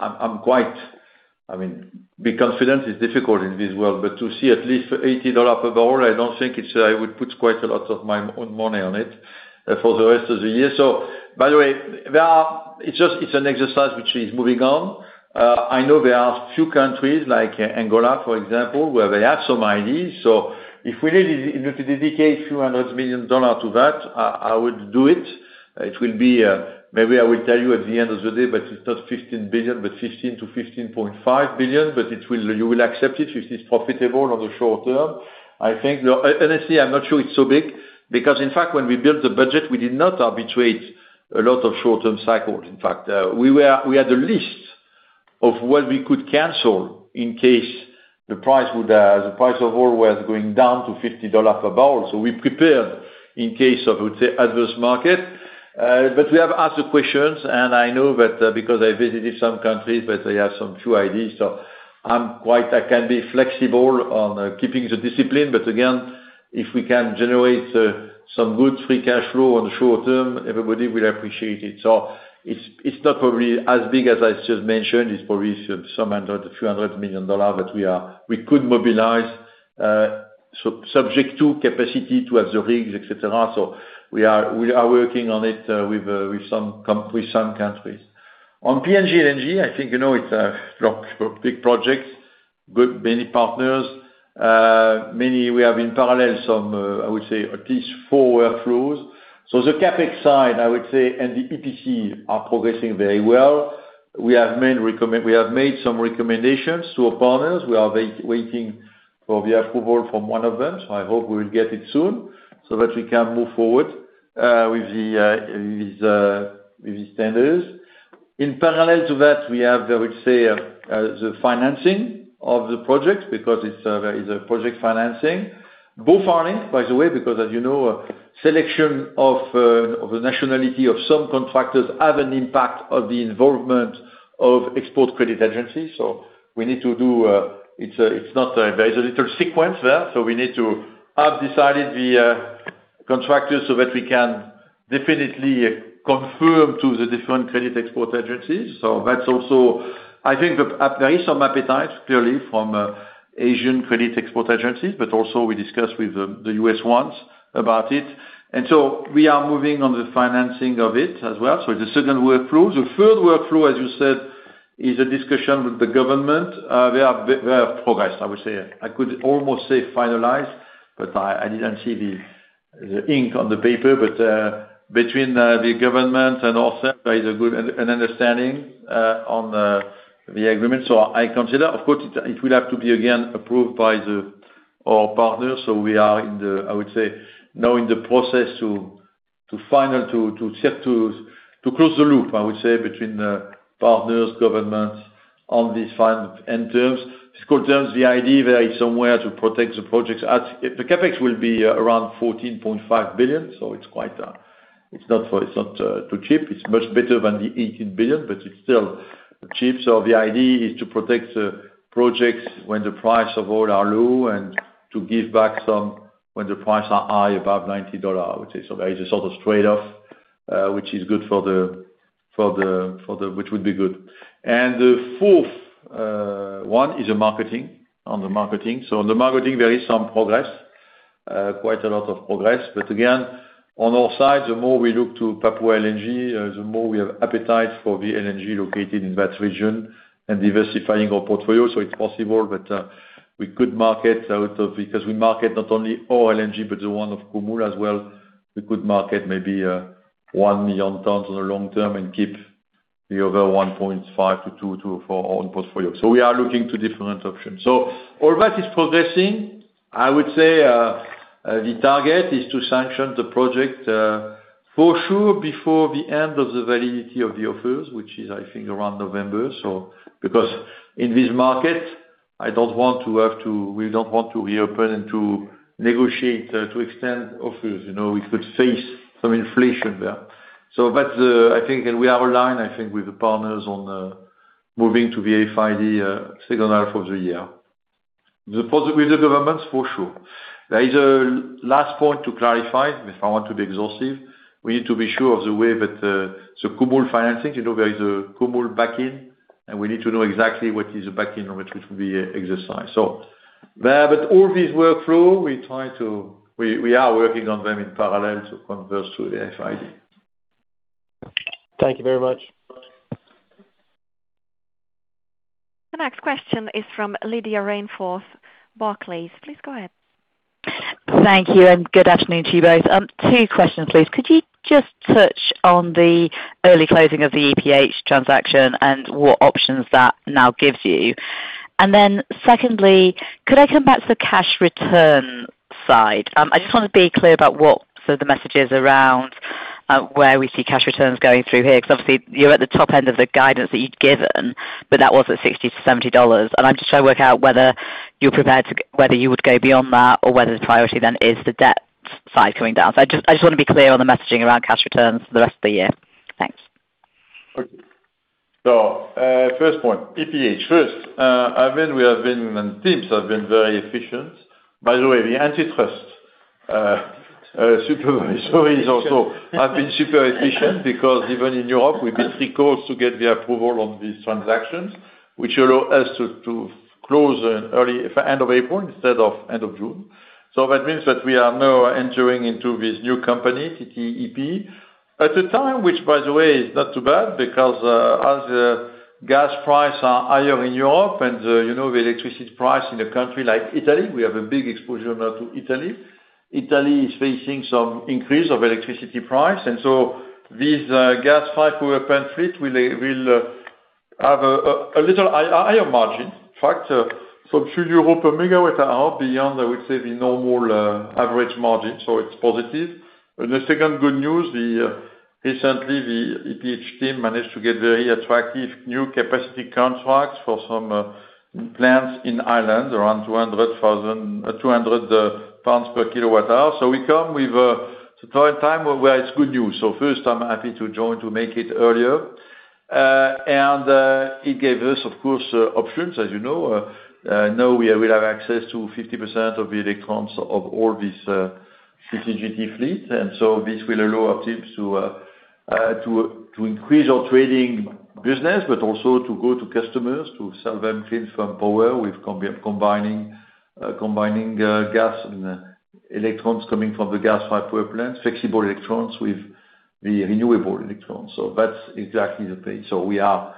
I'm quite I mean, be confident is difficult in this world, but to see at least EUR 80 per bbl, I don't think it's, I would put quite a lot of my own money on it for the rest of the year. By the way, it's just, it's an exercise which is moving on. I know there are a few countries like Angola, for example, where they have some ideas. If we need you to dedicate a few hundred million EUR to that, I would do it. It will be, maybe I will tell you at the end of the day, but it's not 15 billion, but 15 billion-15.5 billion, but you will accept it if it's profitable on the short term. I think honestly, I'm not sure it's so big because in fact when we built the budget, we did not arbitrate a lot of short-term cycles. In fact, we had a list of what we could cancel in case the price would, the price of oil was going down to EUR 50 per bbl. We prepared in case of, let's say, adverse market. We have asked the questions, and I know that, because I visited some countries, but they have some few ideas, so I am quite, I can be flexible on keeping the discipline. Again, if we can generate some good free cash flow on the short term, everybody will appreciate it. It is not probably as big as I just mentioned. It is probably some 100, a few 100 million EUR that we could mobilize, subject to capacity to have the rigs, et cetera. We are working on it with some countries. On Papua LNG, I think, you know, it is a big project. Good many partners. Many we have in parallel, some, I would say at least four workflows. The CapEx side, I would say, and the EPC are progressing very well. We have made some recommendations to our partners. We are waiting for the approval from one of them, so I hope we will get it soon so that we can move forward with the standards. In parallel to that, we have, I would say, the financing of the project because it's there is a project financing. Both are linked, by the way, because as you know, selection of the nationality of some contractors have an impact of the involvement of export credit agencies. We need to do, it's not, there's a little sequence there. We need to have decided the contractors so that we can definitely confirm to the different credit export agencies. That's also. I think there is some appetite clearly from Asian credit export agencies, but also we discussed with the U.S. ones about it. We are moving on the financing of it as well. The second workflow. The third workflow, as you said, is a discussion with the government. We have progressed, I would say. I could almost say finalized, but I didn't see the ink on the paper. Between the government and also there is a good understanding on the agreement. I consider, of course, it will have to be again approved by our partners. We are in the, I would say, now in the process to close the loop, I would say, between the partners, governments on these finance and terms. It's called terms. The idea there is somewhere to protect the projects at. The CapEx will be around 14.5 billion, so it's quite, it's not for, it's not, too cheap. It's much better than the 18 billion, but it's still cheap. The idea is to protect the projects when the price of oil are low and to give back some when the price are high, above EUR 90, I would say. There is a sort of trade-off, which is good for the, which would be good. The fourth one is a marketing, on the marketing. On the marketing there is some progress, quite a lot of progress. Again, on our side, the more we look to Papua LNG, the more we have appetite for the LNG located in that region and diversifying our portfolio. It's possible that we could market out of, because we market not only oil LNG, but the one of Kumul as well. We could market maybe 1 million tons on the long term and keep the other 1.5-2 for our own portfolio. We are looking to different options. All that is progressing. I would say, the target is to sanction the project, for sure before the end of the validity of the offers, which is I think around November. Because in this market, we don't want to reopen and to negotiate to extend offers. You know, we could face some inflation there. But, I think, and we are aligned, I think, with the partners on moving to the FID, second half of the year, with the governments, for sure. There is a last point to clarify, if I want to be exhaustive. We need to be sure of the way that Kumul financing, you know, there is a Kumul back-in, and we need to know exactly what is a back-in on which will be exercised. There, but all these workflow, we are working on them in parallel to converse to the FID. Thank you very much. The next question is from Lydia Rainforth, Barclays. Please go ahead. Thank you, and good afternoon to you both. Two questions, please. Could you just touch on the early closing of the EPH transaction and what options that now gives you? Secondly, could I come back to the cash return side? I just want to be clear about what sort of the message is around where we see cash returns going through here. Obviously you're at the top end of the guidance that you'd given, but that was at $60-$70. I'm just trying to work out whether you're prepared to, whether you would go beyond that or whether the priority then is the debt side coming down. I just want to be clear on the messaging around cash returns for the rest of the year. Thanks. First point, EPH. First, I mean, we have been, and teams have been very efficient. By the way, the antitrust supervisors also have been super efficient because even in Europe, we did three calls to get the approval on these transactions, which allow us to close early end of April instead of end of June. That means that we are now entering into this new company, PTTEP, at a time, which, by the way, is not too bad because as gas price are higher in Europe and, you know, the electricity price in a country like Italy, we have a big exposure now to Italy. Italy is facing some increase of electricity price. These gas-fired power plant fleet will have a little higher margin. In fact, some 2 euros per MWh beyond, I would say, the normal average margin, so it is positive. The second good news, recently, the EPH team managed to get very attractive new capacity contracts for some plants in Ireland, around 200,000 pounds per kWh. We come with a third time where it is good news. First, I am happy to join to make it earlier, and it gave us, of course, options, as you know. Now we will have access to 50% of the electrons of all these CCGT fleet. This will allow our teams to increase our trading business, but also to go to customers to sell them clean from power. We've combining gas and electrons coming from the gas-fired power plant, flexible electrons with the renewable electrons. That's exactly the page. We are,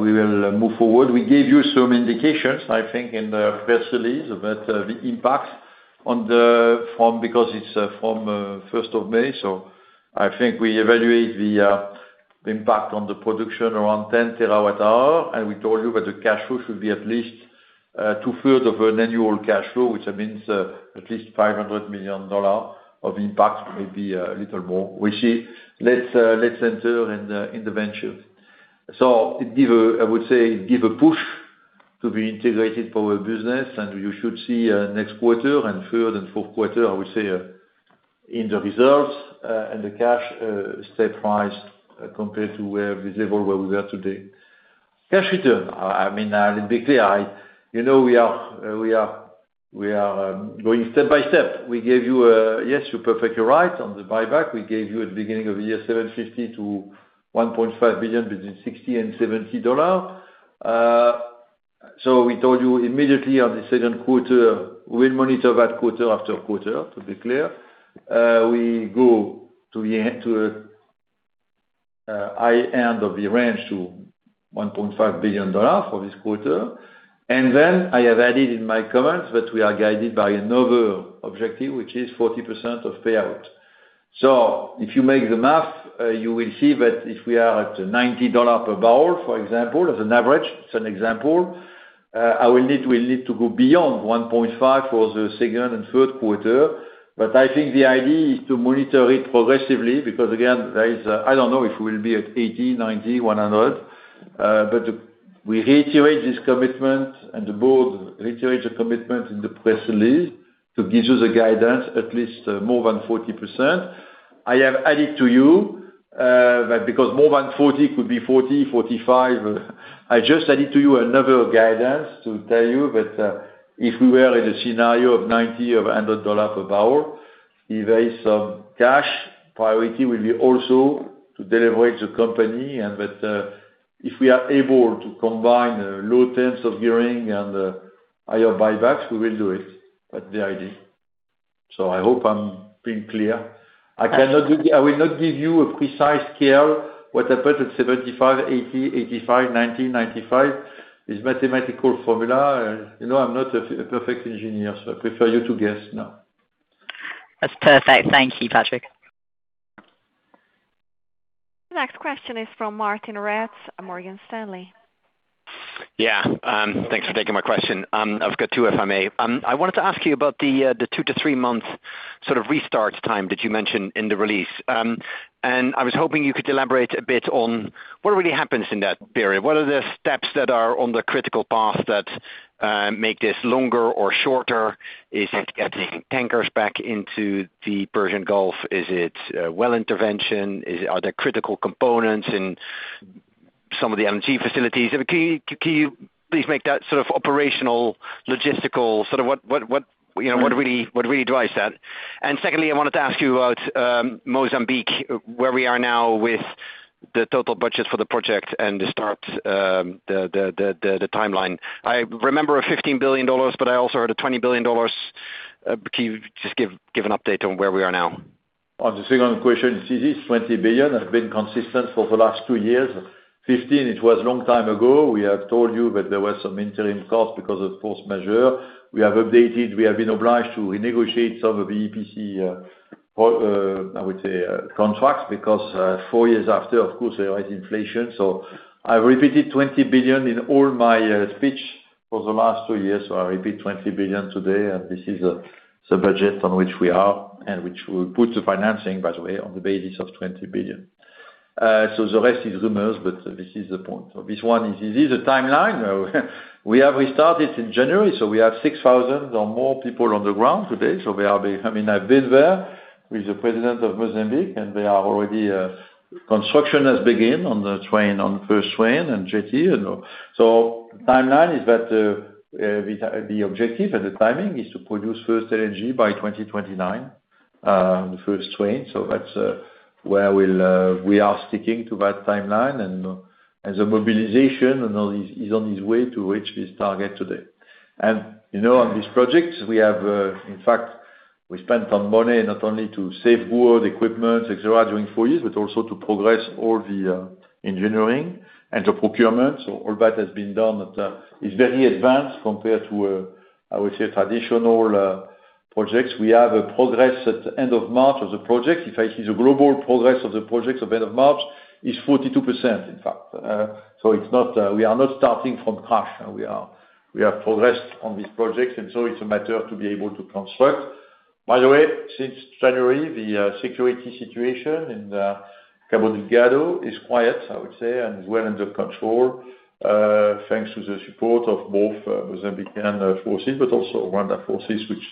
we will move forward. We gave you some indications, I think, in the press release about the impact from, because it's from, first of May. I think we evaluate the impact on the production around 10 TWh, and we told you that the cash flow should be at least 2/3 of an annual cash flow, which means at least $500 million of impact, maybe a little more. We'll see. Let's enter in the venture. It, I would say, give a push to the integrated power business, and you should see next quarter and third and fourth quarter, I would say, in the results, and the cash stay priced compared to where this level where we are today. Cash return. I mean, I will be clear. You know, we are going step by step. We gave you, Yes, you're perfectly right. On the buyback, we gave you at the beginning of the year, $750 million-$1.5 billion between $60 and $70. We told you immediately on the Q2, we'll monitor that quarter after quarter to be clear. We go to the high end of the range to $1.5 billion for this quarter. I have added in my comments that we are guided by another objective, which is 40% of payout. If you make the math, you will see that if we are at EUR 90 per bbl, for example, as an average, it's an example, we need to go beyond 1.5 for the second and third quarter. I think the idea is to monitor it progressively, because again, there is, I don't know if we will be at 80, 90, 100, but we reiterate this commitment and the board reiterate the commitment in the press release to give you the guidance at least more than 40%. I have added to you that because more than 40 could be 40, 45. I just added to you another guidance to tell you that if we were in a scenario of 90 or EUR 100 per bbl, if there is some cash, priority will be also to deleverage the company and that if we are able to combine low 10s of gearing and higher buybacks, we will do it. That's the idea. I hope I'm being clear. I will not give you a precise scale. What about at 75, 80, 85, 90, 95? It's mathematical formula. You know I'm not a perfect engineer, so I prefer you to guess now. That's perfect. Thank you, Patrick. Next question is from Martijn Rats, Morgan Stanley. Thanks for taking my question. I've got two, if I may. I wanted to ask you about the two to three month sort of restart time that you mentioned in the release. I was hoping you could elaborate a bit on what really happens in that period. What are the steps that are on the critical path that make this longer or shorter? Is it getting tankers back into the Persian Gulf? Is it well intervention? Are there critical components in some of the LNG facilities? Can you please make that sort of operational, logistical, sort of what, you know, what really drives that? Secondly, I wanted to ask you about Mozambique, where we are now with the total budget for the project and the start, the timeline. I remember EUR 15 billion, but I also heard EUR 20 billion. Can you just give an update on where we are now? On the second question, it is 20 billion. 15, it was long time ago. We have told you that there were some interim costs because of force majeure. We have updated. We have been obliged to renegotiate some of the EPC contracts, because four years after, of course, there is inflation. I repeated 20 billion in all my speech for the last two years. I repeat 20 billion today. This is the budget on which we are and which will put the financing, by the way, on the basis of 20 billion. The rest is rumors, but this is the point. This one is, it is a timeline. We have restarted in January. We have 6,000 or more people on the ground today. I mean, I've been there with the president of Mozambique, and they are already, construction has began on the train, on first train and jetty and all. Timeline is that the objective and the timing is to produce first energy by 2029, the first train. That's where we'll we are sticking to that timeline and as a mobilization and all is on its way to reach this target today. You know, on these projects, we have, in fact, we spent some money not only to save good equipment, et cetera, during four years, but also to progress all the engineering and the procurement. All that has been done at is very advanced compared to, I would say, traditional projects. We have a progress at the end of March of the project. If I see the global progress of the project at the end of March is 42%, in fact. It's not, we are not starting from scratch. We have progressed on these projects. It's a matter to be able to construct. By the way, since January, the security situation in Cabo Delgado is quiet, I would say, and well under control, thanks to the support of both Mozambican forces, but also Rwanda forces, which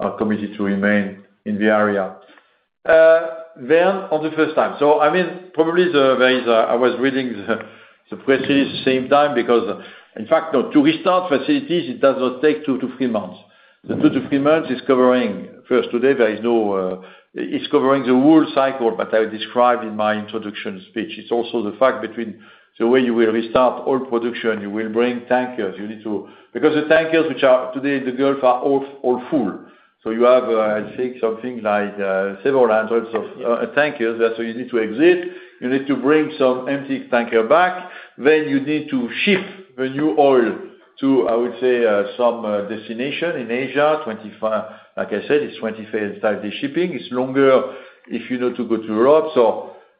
are committed to remain in the area. On the first time. Probably the, I was reading the press release same time because in fact, no, to restart facilities, it does not take two to three months. The two to three months is covering first today, there is no, it's covering the whole cycle that I described in my introduction speech. It's also the fact between the way you will restart oil production, you will bring tankers. Because the tankers which are today in the Gulf are all full. You have, I think something like several hundreds of tankers. You need to exit, you need to bring some empty tanker back, then you need to ship the new oil to, I would say, some destination in Asia. Like I said, it's 25-30 shipping. It's longer if you know to go to Europe.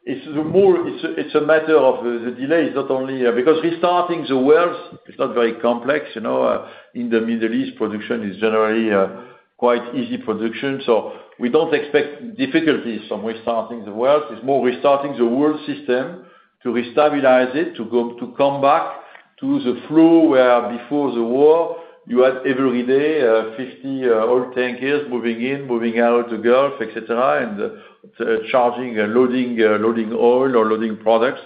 It's a matter of the delay. It's not only, because restarting the wells is not very complex. You know, in the Middle East, production is generally quite easy production. We don't expect difficulties from restarting the wells. It's more restarting the whole system to restabilize it, to go, to come back to the flow where before the war, you had every day, 50 oil tankers moving in, moving out the Gulf, et cetera, and charging and loading oil or loading products.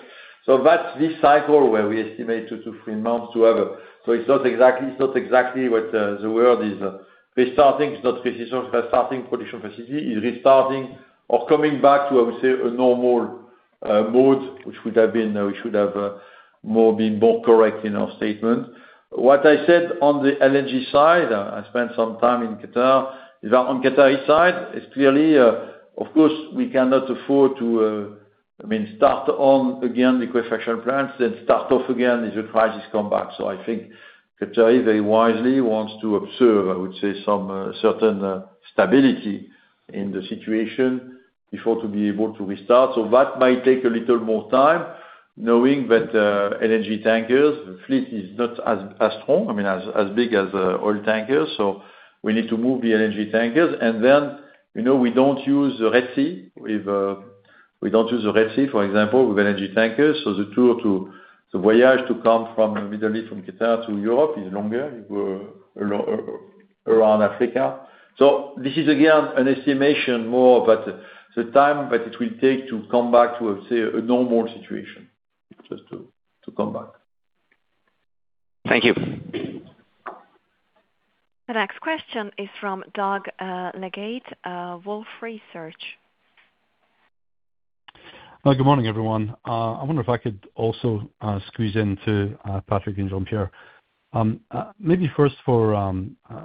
That's this cycle where we estimate two to threemonths to have. It's not exactly what the world is restarting. It's not restarting production facility. It's restarting or coming back to, I would say, a normal mode, which should have been more correct in our statement. What I said on the LNG side, I spent some time in Qatar. On Qatari side, it's clearly, of course, we cannot afford to, I mean, start on again liquefaction plants, then start off again if the crisis come back. I think Qatar very wisely wants to observe, I would say, some certain stability in the situation before to be able to restart. That might take a little more time, knowing that, LNG tankers fleet is not as strong, I mean, as big as oil tankers. We need to move the LNG tankers. You know, we don't use the Red Sea, for example, with LNG tankers. The tour to the voyage to come from Middle East, from Qatar to Europe is longer. You go around Africa. This is again, an estimation more about the time that it will take to come back to a, say, a normal situation. Thank you. The next question is from Doug Leggate, Wolfe Research. Good morning, everyone. I wonder if I could also squeeze into Patrick and Jean-Pierre. Maybe first for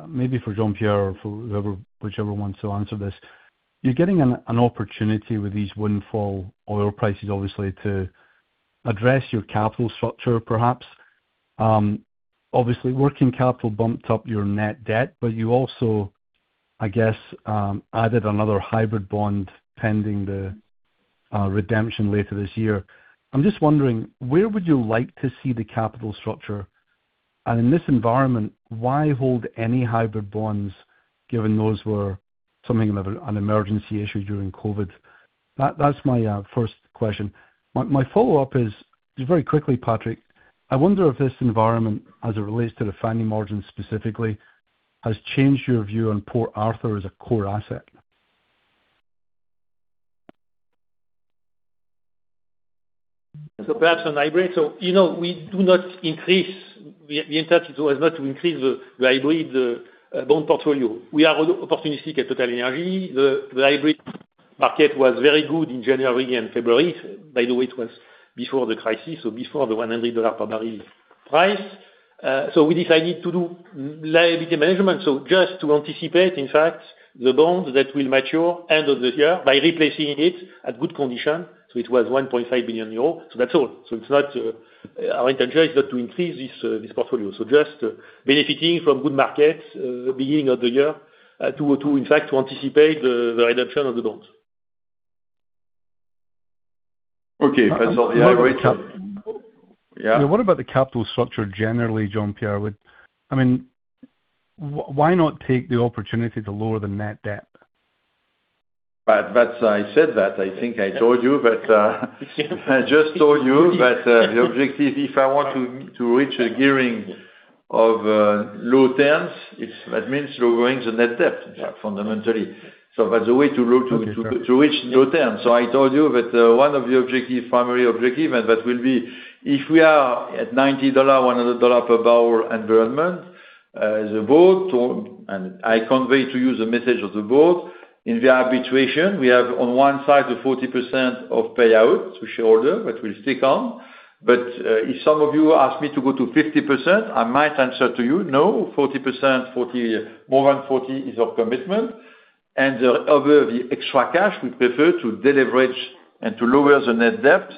maybe for Jean-Pierre or for whoever, whichever wants to answer this. You're getting an opportunity with these windfall oil prices, obviously, to address your capital structure, perhaps. Obviously, working capital bumped up your net debt, but you also, I guess, added another hybrid bond pending the redemption later this year. I'm just wondering, where would you like to see the capital structure? In this environment, why hold any hybrid bonds, given those were something of an emergency issue during COVID? That's my first question. My follow-up is just very quickly, Patrick, I wonder if this environment, as it relates to refining margins specifically, has changed your view on Port Arthur as a core asset. Perhaps on hybrid. You know, we do not increase the entity so as not to increase the hybrid bond portfolio. We are opportunistic at TotalEnergies. The hybrid market was very good in January and February. By the way, it was before the crisis, before the $100 per bbl price. We decided to do liability management. Just to anticipate, in fact, the bonds that will mature end of this year by replacing it at good condition. It was 1.5 billion euros. That's all. It's not, our intention is not to increase this portfolio. Just benefiting from good markets, beginning of the year, to in fact, to anticipate the redemption of the bonds. Okay. That's all. Yeah, great. Yeah. What about the capital structure generally, Jean-Pierre? I mean, why not take the opportunity to lower the net debt? I said that. I think I told you that, I just told you that, the objective, if I want to reach a gearing of low teens, it's that means lowering the net debt. Yeah. Fundamentally. That's the way to go. Okay, sure. To reach low term. I told you that one of the objective, primary objective, and that will be if we are at EUR 90, EUR 100 per bbl environment, the board to. I convey to you the message of the board. In the arbitration, we have on one side the 40% of payout to shareholder, that will stick on. If some of you ask me to go to 50%, I might answer to you no, 40%, more than 40 is our commitment. The other, the extra cash, we prefer to deleverage and to lower the net debt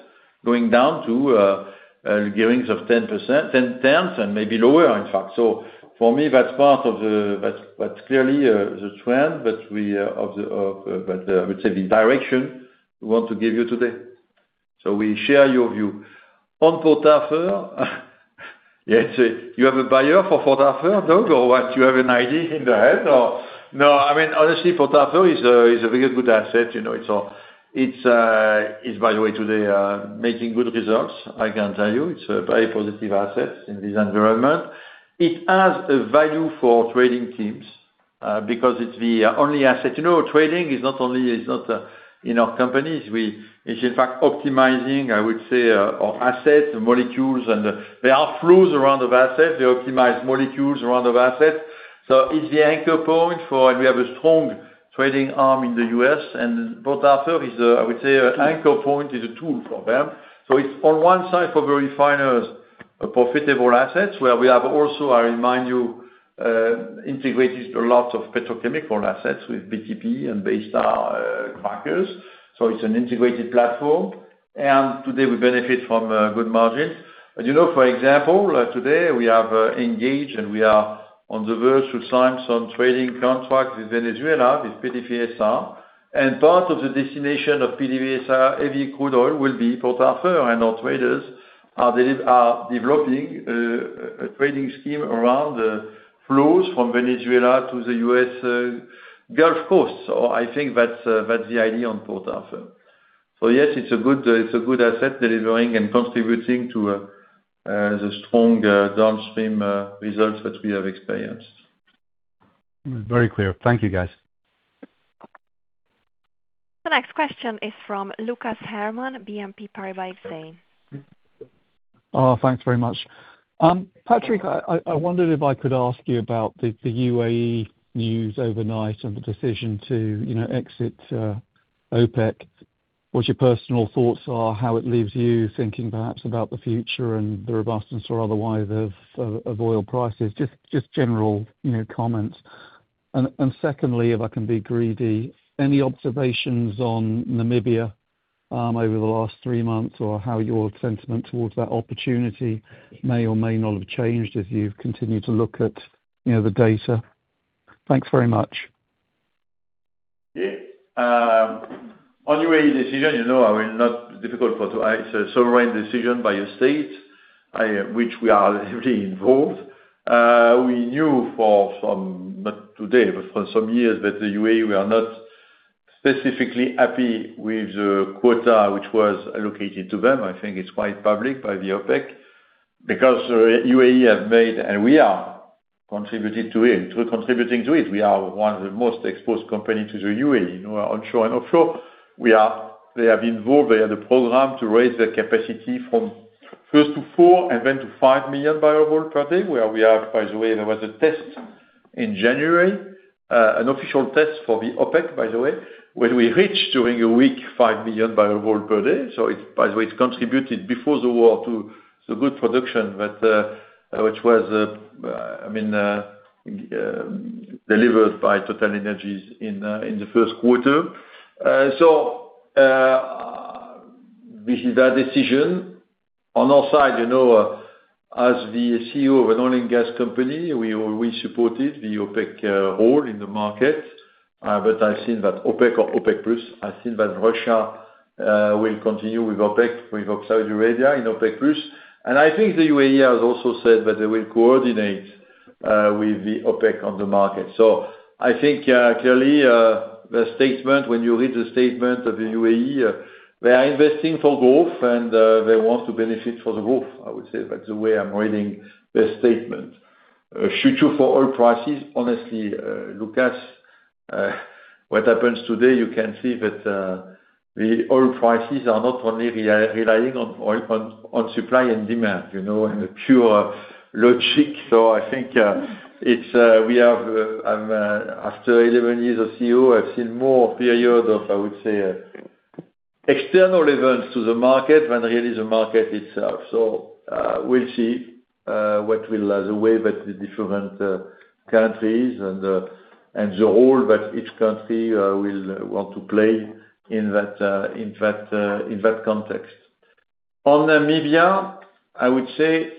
going down to gearing of 10%, 10 terms and maybe lower, in fact. For me, that's clearly the trend that we of the, of. I would say the direction we want to give you today. We share your view. On Port Arthur, yes, you have a buyer for Port Arthur, Doug, or what? You have an idea in the head or? I mean, honestly, Port Arthur is a very good asset, you know, it's by the way today making good results, I can tell you. It's a very positive asset in this environment. It has a value for trading teams because it's the only asset. You know, trading is not only, is not, in our companies, it's in fact optimizing, I would say, our assets, the molecules, and there are flows around of assets. They optimize molecules around of assets. It's the anchor point for. We have a strong trading arm in the U.S. and Port Arthur is, I would say, an anchor point, is a tool for them. It is on one side for the refiners, a profitable asset where we have also, I remind you, integrated a lot of petrochemical assets with BTP and Baystar crackers. It is an integrated platform. Today we benefit from good margins. You know, for example, today we have engaged, and we are on the verge to sign some trading contracts with Venezuela, with PDVSA. Part of the destination of PDVSA heavy crude oil will be Port Arthur. Our traders are developing a trading scheme around the flows from Venezuela to the U.S. Gulf Coast. I think that is, that is the idea on Port Arthur. Yes, it's a good, it's a good asset delivering and contributing to the strong downstream results that we have experienced. Very clear. Thank you, guys. The next question is from Lucas Herrmann, BNP Paribas Exane. Thanks very much. Patrick, I wondered if I could ask you about the UAE news overnight and the decision to, you know, exit OPEC. What your personal thoughts are, how it leaves you thinking perhaps about the future and the robustness or otherwise of oil prices. Just general, you know, comments. Secondly, if I can be greedy, any observations on Namibia over the last three months or how your sentiment towards that opportunity may or may not have changed as you've continued to look at, you know, the data? Thanks very much. Yeah. On UAE decision, you know, I mean, it's a sovereign decision by a state, which we are heavily involved. We knew for some, not today, but for some years, that the UAE were not specifically happy with the quota which was allocated to them. I think it's quite public by the OPEC. UAE have made, and we are contributing to it. We're contributing to it. We are one of the most exposed company to the UAE, you know, onshore and offshore. They have involved. They have the program to raise their capacity from one to four and then to 5 million bbl per day. Where we have, there was a test in January, an official test for the OPEC, where we reached during a week 5 million bbl per day. It's, by the way, it's contributed before the war to the good production that which was delivered by TotalEnergies in the first quarter. This is their decision. On our side, you know, as the CEO of an oil and gas company, we supported the OPEC role in the market. I think that OPEC or OPEC+, I think that Russia will continue with OPEC, with Saudi Arabia in OPEC+. I think the UAE has also said that they will coordinate with the OPEC on the market. I think, clearly, the statement, when you read the statement of the UAE, they are investing for growth and they want to benefit for the growth, I would say. That's the way I'm reading their statement. Future for oil prices, honestly, Lucas, what happens today, you can see that the oil prices are not only relying on oil, on supply and demand, you know, and pure logic. I think it's we have, after 11 years of CEO, I've seen more period of, I would say, external events to the market than really the market itself. We'll see what will the way that the different countries and the role that each country will want to play in that, in that, in that context. On Namibia, I would say,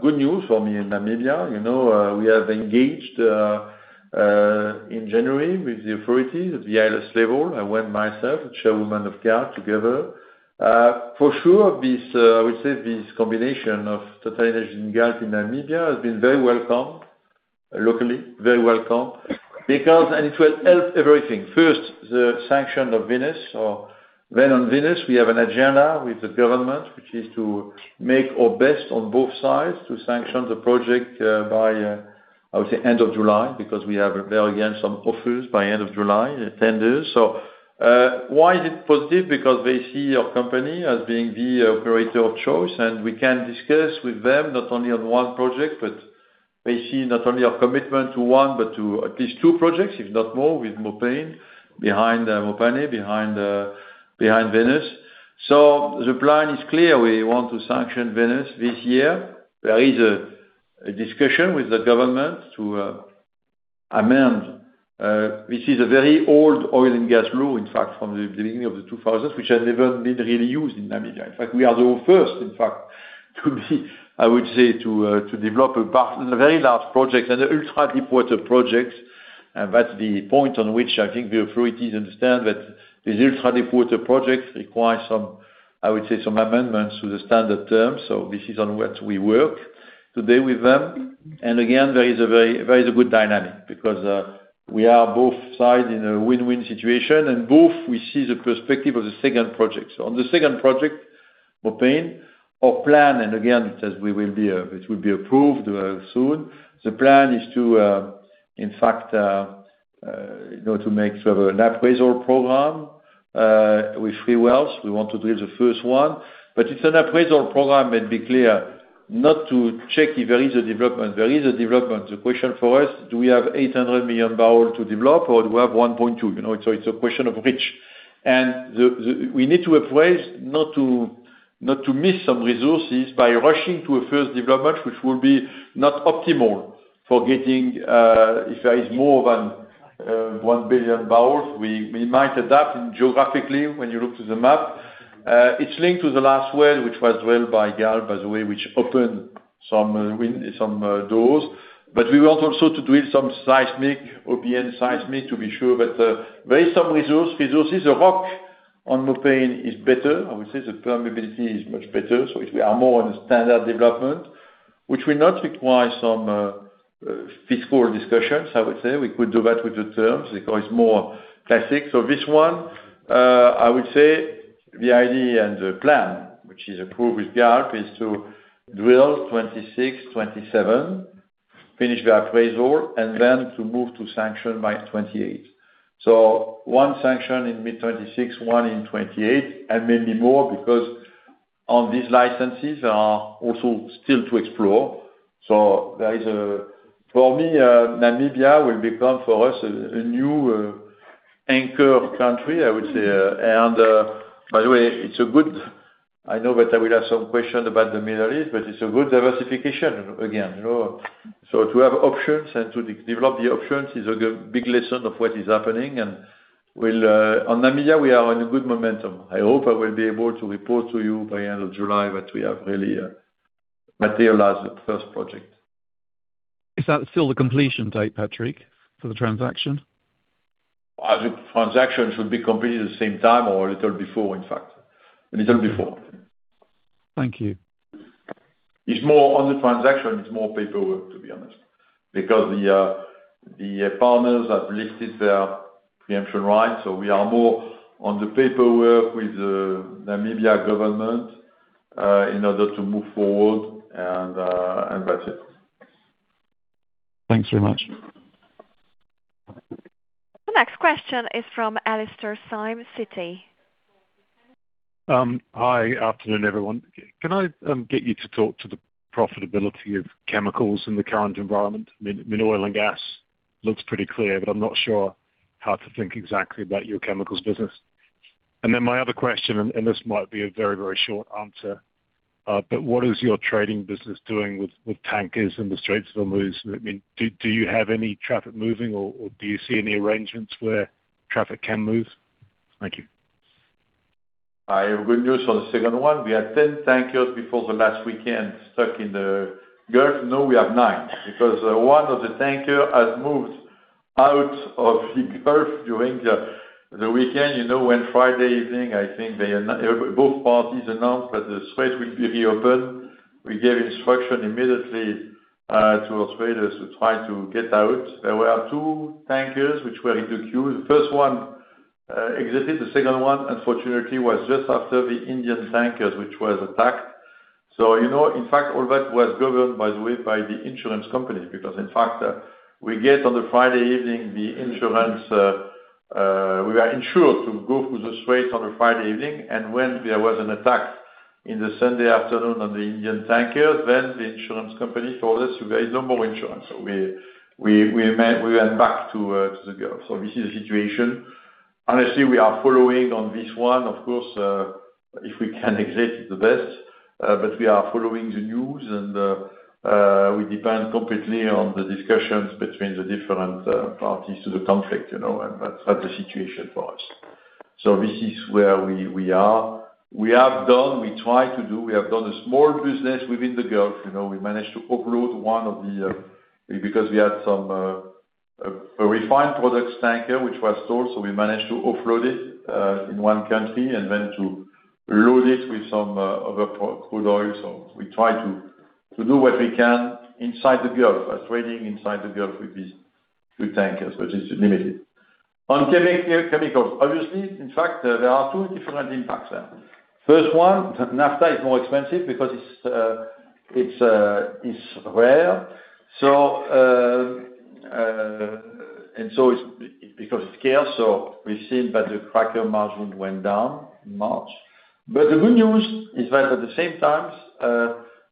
good news for me in Namibia. You know, we have engaged in January with the authorities at the highest level. I went myself, the chairwoman of, [inaudible] together. For sure this, I would say this combination of TotalEnergies and gas in Namibia has been very welcome locally, very welcome. Because it will help everything. First, the sanction of Venus. Then on Venus, we have an agenda with the government, which is to make our best on both sides to sanction the project by, I would say, end of July, because we have, there again, some offers by end of July, tenders. Why is it positive? Because they see our company as being the operator of choice, and we can discuss with them not only on one project, but they see not only our commitment to one, but to at least two projects, if not more, with Mopane behind Venus. The plan is clear. We want to sanction Venus this year. There is a discussion with the government to amend, which is a very old oil and gas law, in fact, from the beginning of the 2000s, which has never been really used in Namibia. In fact, we are the first to be, I would say, to develop a large, a very large project and an ultra-deep water project. That's the point on which I think the authorities understand that these ultra-deep water projects require some, I would say, amendments to the standard terms. This is on what we work today with them. Again, there is a very, very good dynamic because we are both sides in a win-win situation, and both we see the perspective of the second project. On the second project, Mopane, our plan, and again, it will be approved soon. The plan is to, in fact, you know, to make sort of an appraisal program with three wells. We want to drill the first one. It's an appraisal program, and be clear, not to check if there is a development. There is a development. The question for us, do we have 800 million barrel to develop or do we have 1.2? You know, it's a question of which. We need to appraise, not to miss some resources by rushing to a first development, which will be not optimal for getting, if there is more than 1 billion barrels, we might adapt geographically when you look to the map. It's linked to the last well, which was drilled by Galp, by the way, which opened some doors. We want also to drill some seismic, OBN seismic, to be sure that there is some resource. Resources are rock on Mopane is better. I would say the permeability is much better. If we are more on a standard development, which will not require some fiscal discussions, I would say. We could do that with the terms because it's more classic. This one, I would say the idea and the plan, which is approved with Galp, is to drill 26, 27, finish the appraisal, and then to move to sanction by 2028. One sanction in mid-2026, one in 2028, and maybe more because on these licenses are also still to explore. There is a for me, Namibia will become for us a new anchor country, I would say. By the way, I know that I will have some question about the Middle East, but it's a good diversification again, you know. To have options and to develop the options is a big lesson of what is happening. We'll on Namibia, we are on a good momentum. I hope I will be able to report to you by end of July that we have really materialized the first project. Is that still the completion date, Patrick, for the transaction? The transaction should be completed the same time or a little before, in fact. A little before. Thank you. It's more on the transaction, it's more paperwork, to be honest. The partners have listed their preemption rights. We are more on the paperwork with the Namibia government in order to move forward, and that's it. Thanks very much. The next question is from Alastair Syme, Citi. Hi. Afternoon, everyone. Can I get you to talk to the profitability of chemicals in the current environment? I mean, oil and gas looks pretty clear, but I'm not sure how to think exactly about your chemicals business. My other question, and this might be a very, very short answer, but what is your trading business doing with tankers and the Strait of Hormuz? I mean, do you have any traffic moving or do you see any arrangements where traffic can move? Thank you. I have good news on the second one. We had 10 tankers before the last weekend stuck in the Gulf. Now we have nine because one of the tanker has moved out of the Gulf during the weekend. You know, when Friday evening, I think they both parties announced that the Strait will be reopened. We gave instruction immediately to our traders to try to get out. There were two tankers which were in the queue. The first one exited. The second one, unfortunately, was just after the Indian tankers, which was attacked. You know, in fact, all that was governed by the way by the insurance companies. In fact, we get on the Friday evening the insurance, we are insured to go through the Strait on a Friday evening. When there was an attack in the Sunday afternoon on the Indian tankers, the insurance company told us there is no more insurance. We went back to the Gulf. This is the situation. Honestly, we are following on this one, of course, if we can exit the best. We are following the news and we depend completely on the discussions between the different parties to the conflict, you know. That's the situation for us. This is where we are. We have done a small business within the Gulf. You know, we managed to offload one of the because we had some a refined products tanker which was stored, we managed to offload it in one country and then to load it with some other crude oil. We try to do what we can inside the Gulf, as trading inside the Gulf with these tankers, which is limited. On chemicals, obviously, in fact, there are two different impacts there. First one, naphtha is more expensive because it's it's rare. It's because it's scarce, we've seen that the cracker margin went down much. The good news is that at the same time,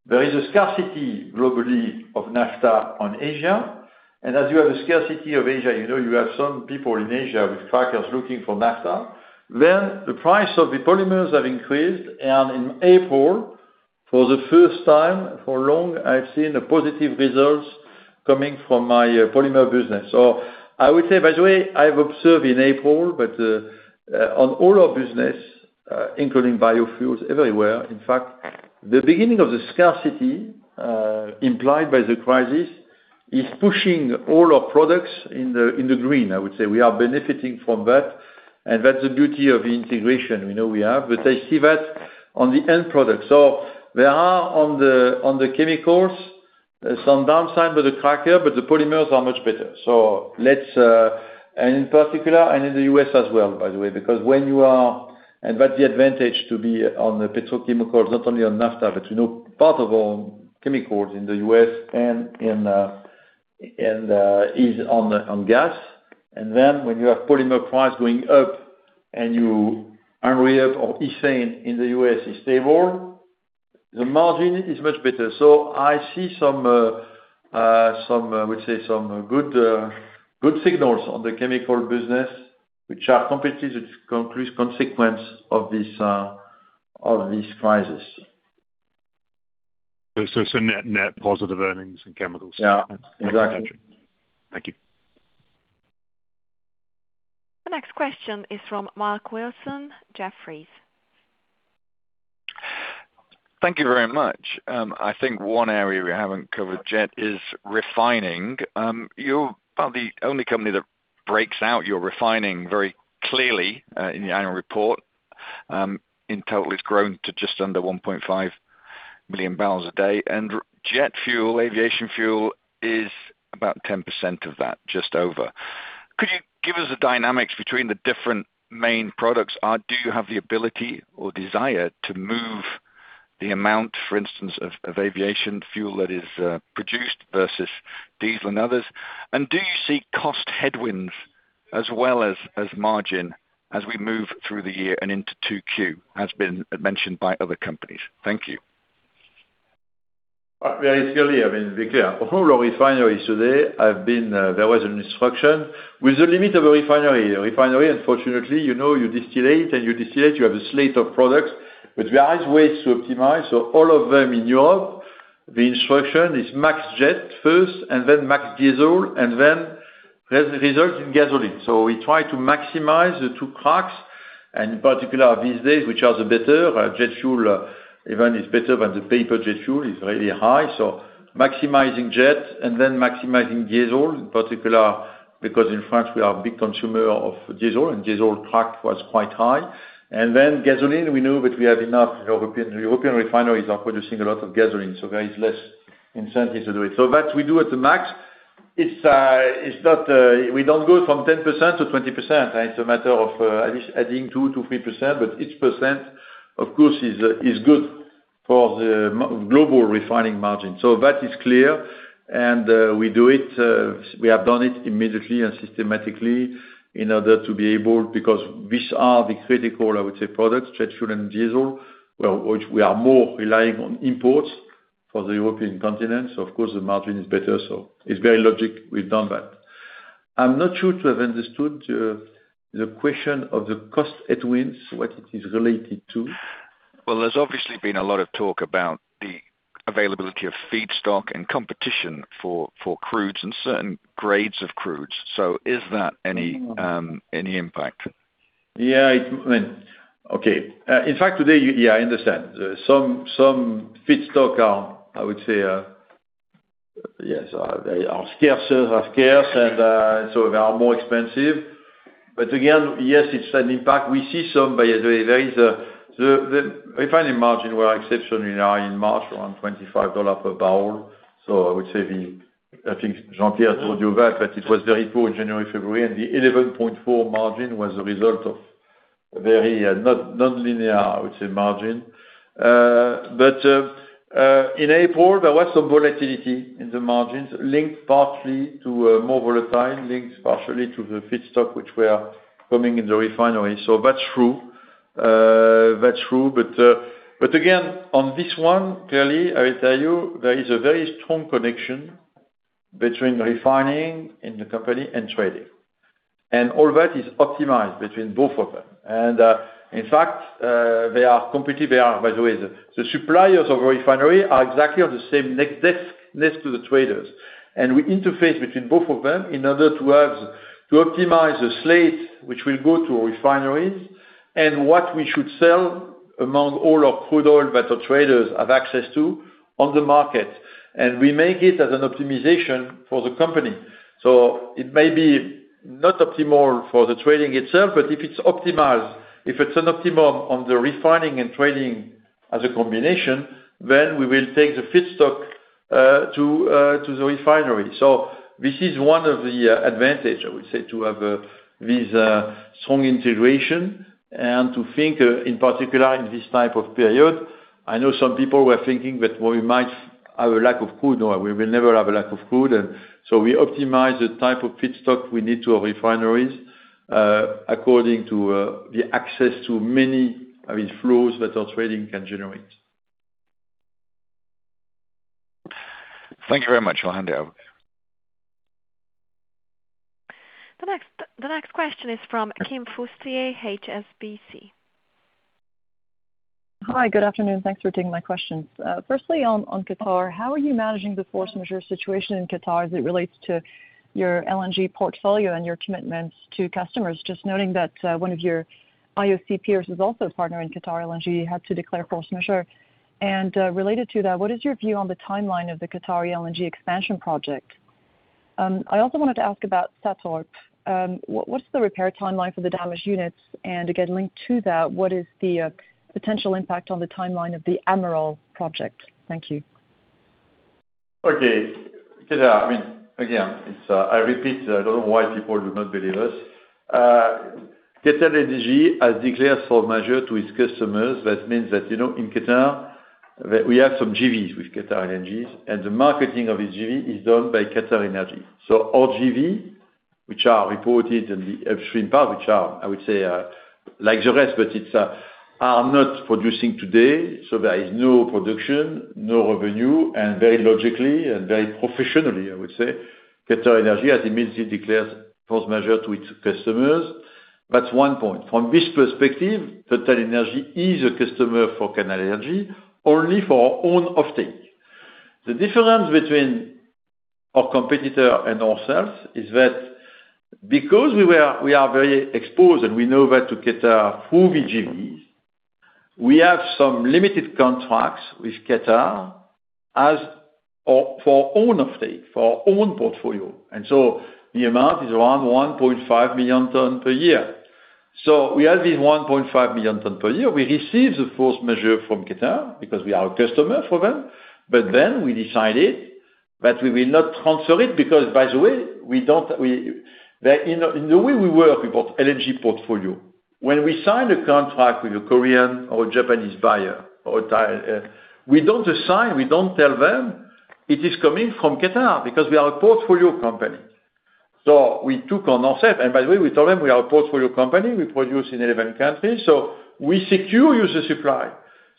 there is a scarcity globally of naphtha on Asia. As you have a scarcity of Asia, you know you have some people in Asia with crackers looking for naphtha. The price of the polymers have increased. In April, for the first time, for long, I've seen a positive results coming from my polymer business. I would say, by the way, I've observed in April, but on all our business, including biofuels, everywhere, in fact, the beginning of the scarcity implied by the crisis is pushing all our products in the, in the green, I would say. We are benefiting from that, and that's the beauty of the integration we know we have. I see that on the end product. There are on the, on the chemicals, some downside with the cracker, but the polymers are much better. In particular, in the U.S. as well, by the way. That's the advantage to be on the petrochemical, not only on naphtha, but you know, part of our chemicals in the U.S. is on gas. When you have polymer price going up and you are up on ethane in the U.S. is stable, the margin is much better. I see some good signals on the chemical business, which are completely the consequence of this crisis. Net positive earnings in chemicals? Yeah, exactly. Thank you. The next question is from Mark Wilson, Jefferies. Thank you very much. I think one area we haven't covered yet is refining. You are the only company that breaks out your refining very clearly in the annual report. In total, it's grown to just under 1.5 million bbl a day. Jet fuel, aviation fuel is about 10% of that, just over. Could you give us the dynamics between the different main products? Do you have the ability or desire to move the amount, for instance, of aviation fuel that is produced versus diesel and others? Do you see cost headwinds as well as margin as we move through the year and into Q2, has been mentioned by other companies? Thank you. Very clearly, I mean, to be clear, all our refineries today have been, there was an instruction with the limit of a refinery. A refinery, unfortunately, you know, you distillate, you have a slate of products, but there are ways to optimize. All of them in Europe, the instruction is max jet first, then max diesel, and then result in gasoline. We try to maximize the two cracks, and in particular these days, which are the better. Jet fuel, even is better than the paper jet fuel, is really high. Maximizing jet and then maximizing diesel in particular, because in France, we are a big consumer of diesel, and diesel crack was quite high. Gasoline, we know that we have enough European. European refineries are producing a lot of gasoline, so there is less incentive to do it. That we do at the max. It's, it's not, we don't go from 10% to 20%. It's a matter of adding 2%-3%, but each percent, of course, is good for the global refining margin. That is clear. We do it. We have done it immediately and systematically in order to be able, because these are the critical, I would say, products, jet fuel and diesel, well, which we are more relying on imports for the European continent. Of course, the margin is better. It's very logic we've done that. I'm not sure to have understood, the question of the cost headwinds, what it is related to. There's obviously been a lot of talk about the availability of feedstock and competition for crudes and certain grades of crudes. Is that any any impact? In fact, today, I understand. Some feedstock are scarce, and they are more expensive. Again, it's an impact. We see some, the refining margin were exceptionally high in March, around EUR 25 per bbl. I would say the, I think Jean-Pierre Sbraire told you that it was very poor in January, February, and the 11.4 margin was a result of very non-linear, I would say, margin. In April, there was some volatility in the margins linked partly to more volatile, linked partially to the feedstock which were coming in the refinery. That's true. That's true. Again, on this one, clearly, I will tell you there is a very strong connection between refining in the company and trading. All that is optimized between both of them. In fact, by the way, the suppliers of refinery are exactly on the same desk next to the traders. We interface between both of them in order to optimize the slate which will go to our refineries and what we should sell among all our crude oil that our traders have access to on the market. We make it as an optimization for the company. It may be not optimal for the trading itself, but if it's optimized, if it's an optimum on the refining and trading as a combination, then we will take the feedstock to the refinery. This is one of the advantage, I would say, to have this strong integration and to think in particular in this type of period. I know some people were thinking that we might have a lack of crude. No, we will never have a lack of crude. We optimize the type of feedstock we need to our refineries, according to the access to many, I mean, flows that our trading can generate. Thank you very much. I'll hand it over. The next question is from Kim Fustier, HSBC. Hi. Good afternoon. Thanks for taking my questions. Firstly on Qatar, how are you managing the force majeure situation in Qatar as it relates to your LNG portfolio and your commitments to customers? Just noting that one of your IOC peers is also a partner in Qatar LNG, had to declare force majeure. Related to that, what is your view on the timeline of the Qatar LNG expansion project? I also wanted to ask about SATORP. What's the repair timeline for the damaged units? Again, linked to that, what is the potential impact on the timeline of the Amiral project? Thank you. Okay. QatarEnergy, I mean, again, it's, I repeat, I don't know why people do not believe us. QatarEnergy has declared force majeure to its customers. That means that, you know, in Qatar that we have some JVs with QatarEnergy, and the marketing of its JV is done by QatarEnergy. Our JV, which are reported in the upstream part, which are, I would say, like the rest, but it's, are not producing today. There is no production, no revenue, and very logically and very professionally, I would say, QatarEnergy has immediately declared force majeure to its customers. That's one point. From this perspective, TotalEnergies is a customer for QatarEnergy only for our own offtake. The difference between our competitor and ourselves is that because we are very exposed, and we know where to Qatar through the JVs, we have some limited contracts with Qatar or for our own offtake, for our own portfolio. The amount is around 1.5 million ton per year. We have this 1.5 million ton per year. We received the force majeure from Qatar because we are a customer for them. We decided that we will not transfer it because by the way, in the way we work with our LNG portfolio, when we sign a contract with a Korean or Japanese buyer or Thai, we don't assign, we don't tell them it is coming from Qatar because we are a portfolio company. We took on ourselves. By the way, we told them we are a portfolio company. We produce in 11 countries, so we secure user supply.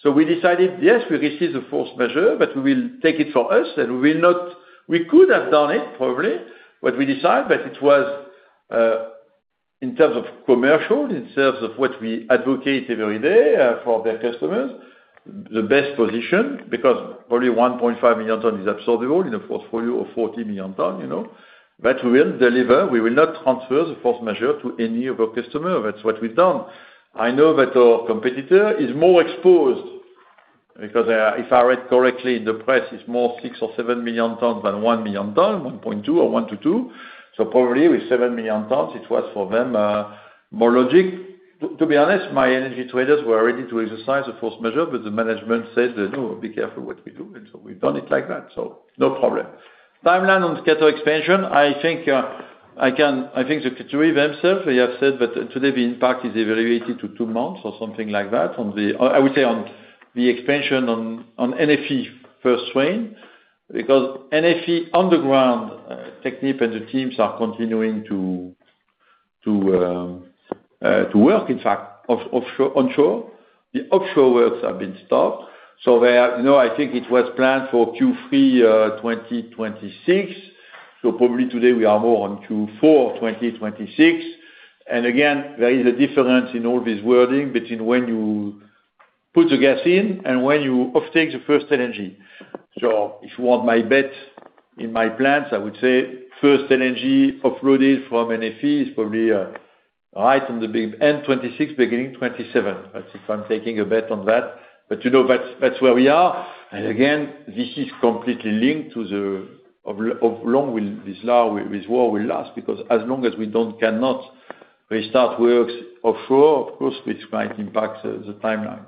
We decided, yes, we receive the force majeure, but we will take it for us, We could have done it, probably, but we decided that it was, in terms of commercial, in terms of what we advocate every day, for their customers, the best position because probably 1.5 million ton is absorbable in a portfolio of 40 million ton, you know. We will deliver. We will not transfer the force majeure to any of our customer. That's what we've done. I know that our competitor is more exposed because, if I read correctly in the press, it's more 6 or 7 million tons than 1 million ton, 1.2 or 1-2. Probably with 7 million tons, it was for them, more logic. To be honest, my energy traders were ready to exercise the force majeure, but the management said that, "No, be careful what we do." We've done it like that, so no problem. Timeline on schedule expansion, I think the QatarEnergy themself, they have said that today the impact is evaluated to two months or something like that on the expansion on NFE first train because NFE underground technique and the teams are continuing to work, in fact, offshore, onshore. The offshore works have been stopped. You know, I think it was planned for Q3 2026. Probably today we are more on Q4 2026. Again, there is a difference in all this wording between when you put the gas in and when you offtake the first LNG. If you want my bet in my plans, I would say first LNG offloaded from NFE is probably right on the end 2026, beginning 2027. That's if I'm taking a bet on that. You know, that's where we are. Again, this is completely linked to of long will this war will last because as long as we cannot restart works offshore, of course, this might impact the timeline.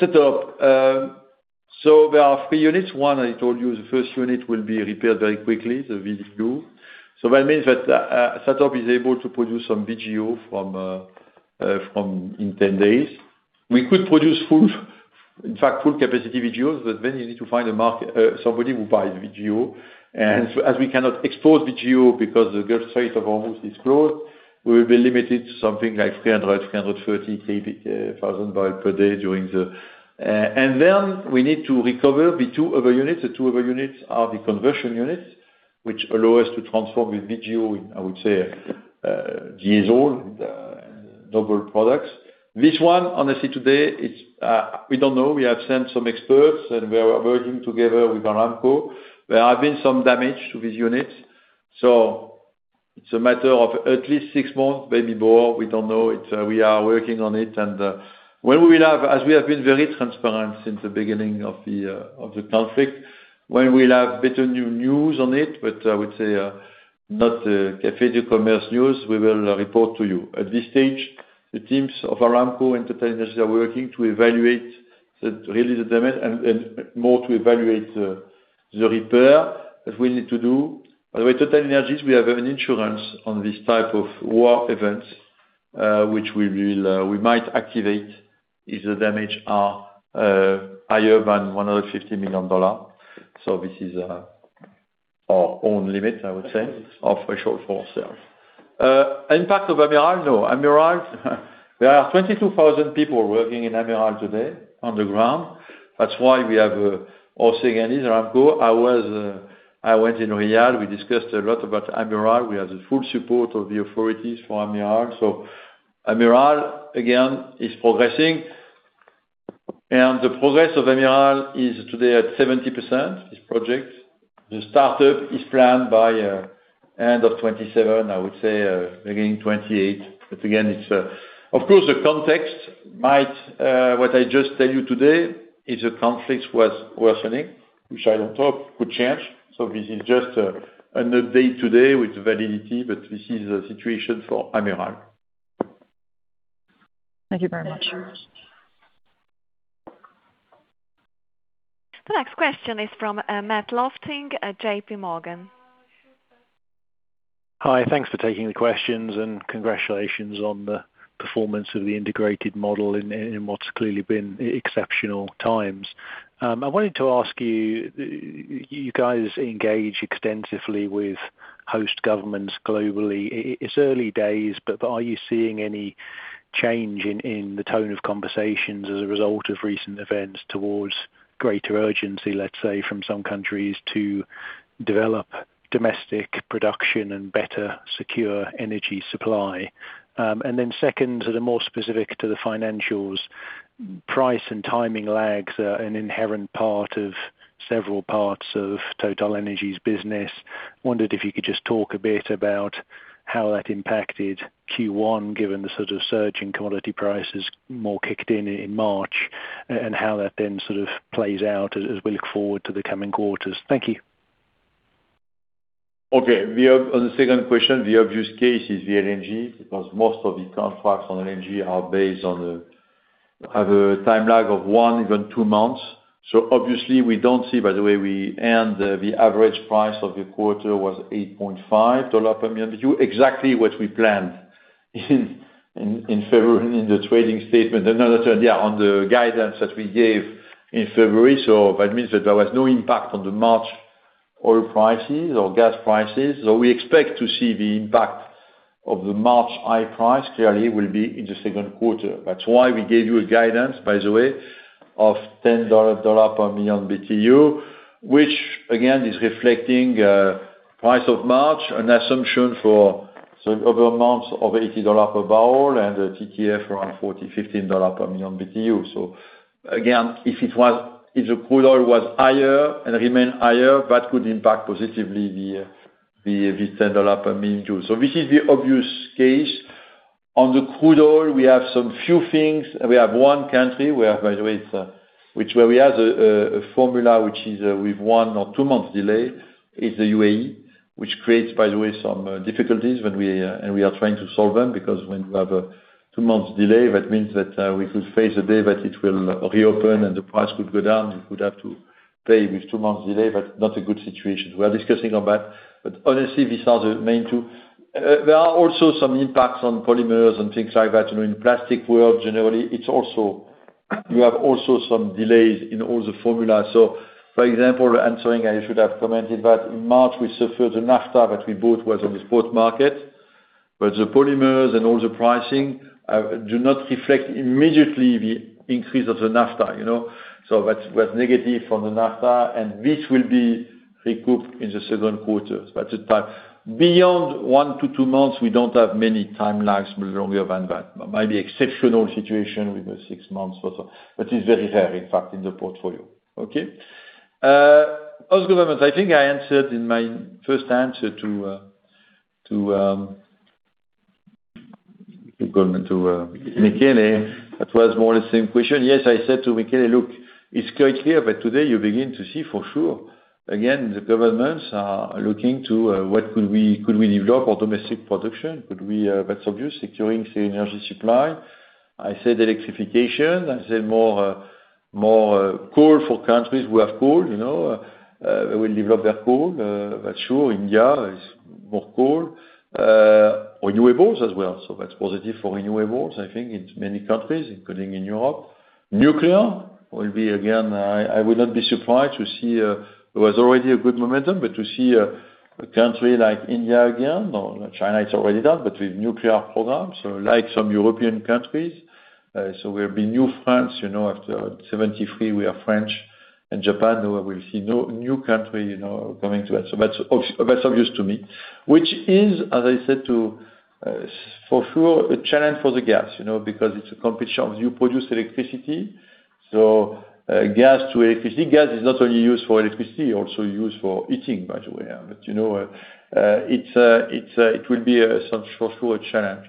Set up, there are three units. One, I told you the first unit will be repaired very quickly, the VGO. That means that SATORP is able to produce some VGO from in 10 days. We could produce full, in fact, full capacity VGOs, but then you need to find a market, somebody who buys VGO. As we cannot export VGO because the Strait of Hormuz is closed, we will be limited to something like 300, 330 thousand bbl per day. We need to recover the two other units. The two other units are the conversion units, which allow us to transform the VGO in, I would say, diesel and other products. This one, honestly today, it's, we don't know. We have sent some experts, and we are working together with Aramco. There have been some damage to this unit, so it's a matter of at least 6 months, maybe more. We don't know. We are working on it. As we have been very transparent since the beginning of the conflict, we'll have better new news on it, but I would say not Cafe du Commerce news, we will report to you. At this stage, the teams of Aramco and TotalEnergies are working to evaluate the damage and more to evaluate the repair that we need to do. By the way, TotalEnergies, we have an insurance on this type of war events, which we will, we might activate if the damage are higher than EUR 150 million. This is our own limit, I would say, our threshold for ourselves. Impact of Amiral? No. Amiral, there are 22,000 people working in Amiral today on the ground. That's why we have also again, Aramco. I went in Riyadh. We discussed a lot about Amiral. We have the full support of the authorities for Amiral. Amiral, again, is progressing. The progress of Amiral is today at 70%, this project. The startup is planned by end of 2027, I would say, beginning 2028. Again, it's, of course, the context might, what I just tell you today is the conflict was worsening, which I don't talk could change. This is just an update today with validity, but this is the situation for Amiral. Thank you very much. The next question is from Matthew Lofting at JPMorgan. Hi. Thanks for taking the questions, congratulations on the performance of the integrated model in what's clearly been exceptional times. I wanted to ask you guys engage extensively with host governments globally. It's early days, but are you seeing any change in the tone of conversations as a result of recent events towards greater urgency, let's say, from some countries to develop domestic production and better secure energy supply? Second to the more specific to the financials, price and timing lags are an inherent part of several parts of TotalEnergies business. Wondered if you could just talk a bit about how that impacted Q1, given the sort of surge in commodity prices more kicked in in March, and how that then sort of plays out as we look forward to the coming quarters. Thank you. Okay. On the second question, the obvious case is the LNG because most of the contracts on LNG are based on a time lag of one, even two months. Obviously we don't see, by the way, the average price of the quarter was EUR 8.5 per MMBtu, exactly what we planned in February in the trading statement. The third year on the guidance that we gave in February. That means that there was no impact on the March oil prices or gas prices. We expect to see the impact of the March high price clearly will be in the second quarter. That's why we gave you a guidance, by the way, of $10 per MMBtu, which again is reflecting price of March, an assumption for some other months of $80 per barrel and a TTF around $40, $15 per MMBtu. Again, if it was, if the crude oil was higher and remain higher, that could impact positively the $10 per MMBtu. This is the obvious case. On the crude oil, we have some few things. We have one country. We have, by the way, it's which where we have a formula which is with one or two months delay. It's the UAE, which creates, by the way, some difficulties when we, and we are trying to solve them because when we have a two months delay, that means that we could face the day that it will reopen, and the price could go down. We would have to pay with two months delay, not a good situation. We are discussing on that. Honestly, these are the main two. There are also some impacts on polymers and things like that. You know, in plastic world generally, it's also you have also some delays in all the formula. For example, answering, I should have commented that March we suffered the naphtha that we bought was on the spot market. The polymers and all the pricing do not reflect immediately the increase of the naphtha, you know. That was negative for the naphtha, and this will be recouped in the second quarter. The time beyond one to two months, we don't have many time lags longer than that. Maybe exceptional situation with the six months or so, but it's very rare, in fact, in the portfolio. Host government, I think I answered in my first answer to government to Michele Della Vigna. That was more or less the same question. Yes, I said to Michele Della Vigna, look, it's quite clear that today you begin to see for sure again the governments are looking to, what could we, could we develop our domestic production? Could we, that's obvious, securing the energy supply. I said electrification. I said more, more coal for countries who have coal, you know. They will develop their coal. That's true. India is more coal. Renewables as well. That's positive for renewables, I think, in many countries, including in Europe. Nuclear will be again, I would not be surprised to see, there was already a good momentum, but to see a country like India again or China, it's already done, but with nuclear programs, like some European countries. So we'll be new France, you know, after 73, we are French and Japan where we see no new country, you know, coming to it. That's obvious to me, which is, as I said to, for sure a challenge for the gas, you know, because it's a competition. You produce electricity, gas to electricity. Gas is not only used for electricity, also used for heating, by the way. You know, it's, it will be some for sure a challenge.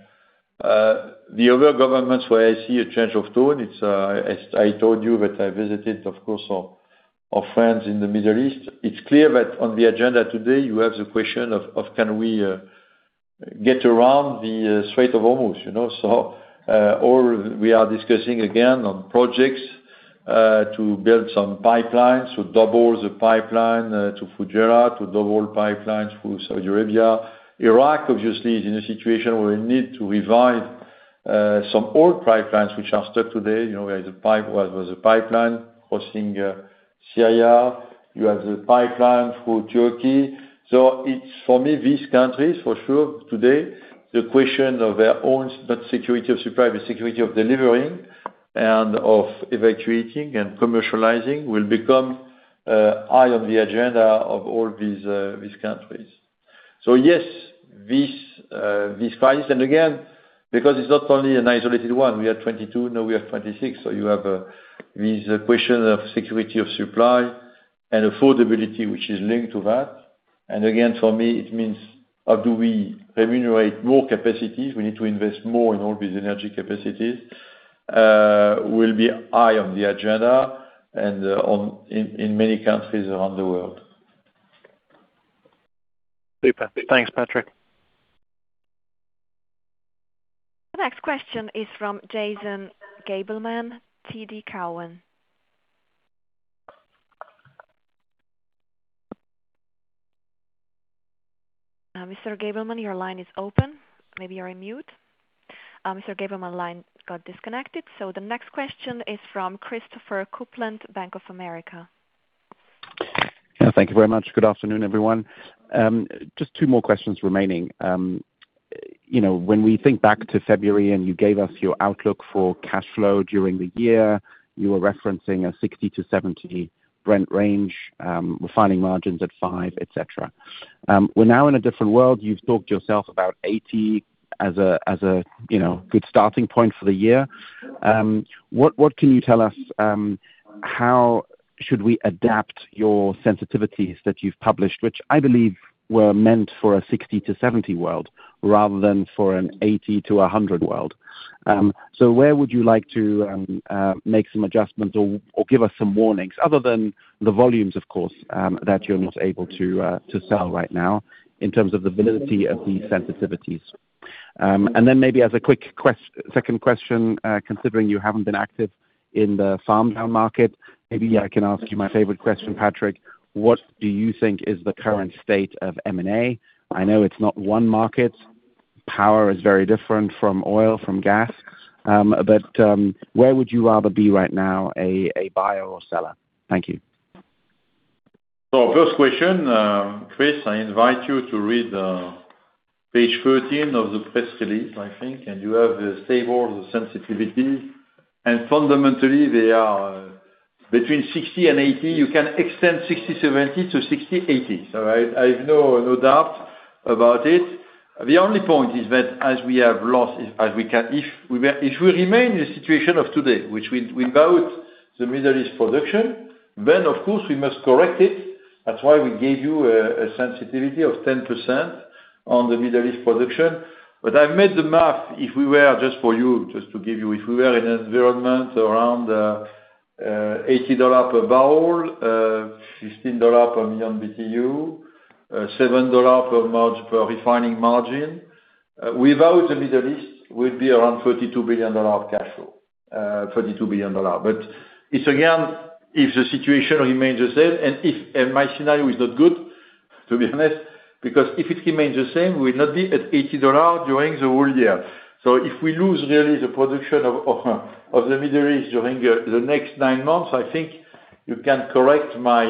The other governments where I see a change of tone, it's as I told you that I visited, of course, our friends in the Middle East. It's clear that on the agenda today, you have the question of can we get around the Strait of Hormuz, you know? Or we are discussing again on projects to build some pipelines, to double the pipeline to Fujairah, to double pipelines through Saudi Arabia. Iraq, obviously, is in a situation where we need to revive some old pipelines which are stuck today. You know, where the pipe was a pipeline crossing Syria. You have the pipeline through Turkey. It's, for me, these countries for sure today, the question of their own, not security of supply, but security of delivering and of evacuating and commercializing will become high on the agenda of all these countries. Yes, this crisis, and again, because it's not only an isolated one. We had 22, now we have 26. You have this question of security of supply and affordability, which is linked to that. Again, for me, it means how do we remunerate more capacities? We need to invest more in all these energy capacities will be high on the agenda and in many countries around the world. Super. Thanks, Patrick. The next question is from Jason Gabelman, TD Cowen. Mr. Gabelman, your line is open. Maybe you're on mute. Mr. Gabelman line got disconnected. The next question is from Christopher Kuplent, Bank of America. Yeah, thank you very much. Good afternoon, everyone. Just two more questions remaining. You know, when we think back to February, you gave us your outlook for cash flow during the year, you were referencing a 60-70 Brent range, refining margins at 5, et cetera. We're now in a different world. You've talked yourself about 80 as a, you know, good starting point for the year. What can you tell us, how should we adapt your sensitivities that you've published, which I believe were meant for a 60-70 world rather than for an 80-100 world? Where would you like to make some adjustments or give us some warnings other than the volumes, of course, that you're not able to sell right now in terms of the validity of the sensitivities? Maybe as a quick second question, considering you haven't been active in the farm-out market, maybe I can ask you my favorite question, Patrick. What do you think is the current state of M&A? I know it's not one market. Power is very different from oil, from gas, where would you rather be right now, a buyer or seller? Thank you. First question, Chris, I invite you to read page 13 of the press release, I think. You have the stable, the sensitivity. Fundamentally, they are between 60 and 80. You can extend 60, 70 to 60, 80. I have no doubt about it. The only point is that as we have lost, as we can if we remain in a situation of today, which we bout the Middle East production, of course we must correct it. That's why we gave you a sensitivity of 10% on the Middle East production. I made the math, if we were just for you, just to give you, if we were in an environment around EUR 80 per barrel, EUR 15 per MMBtu, EUR 7 per margin, per refining margin, without the Middle East would be around EUR 32 billion of cash flow. EUR 32 billion. It's again, if the situation remains the same and my scenario is not good, to be honest. If it remains the same, we'll not be at EUR 80 during the whole year. If we lose really the production of the Middle East during the next nine months, I think you can correct my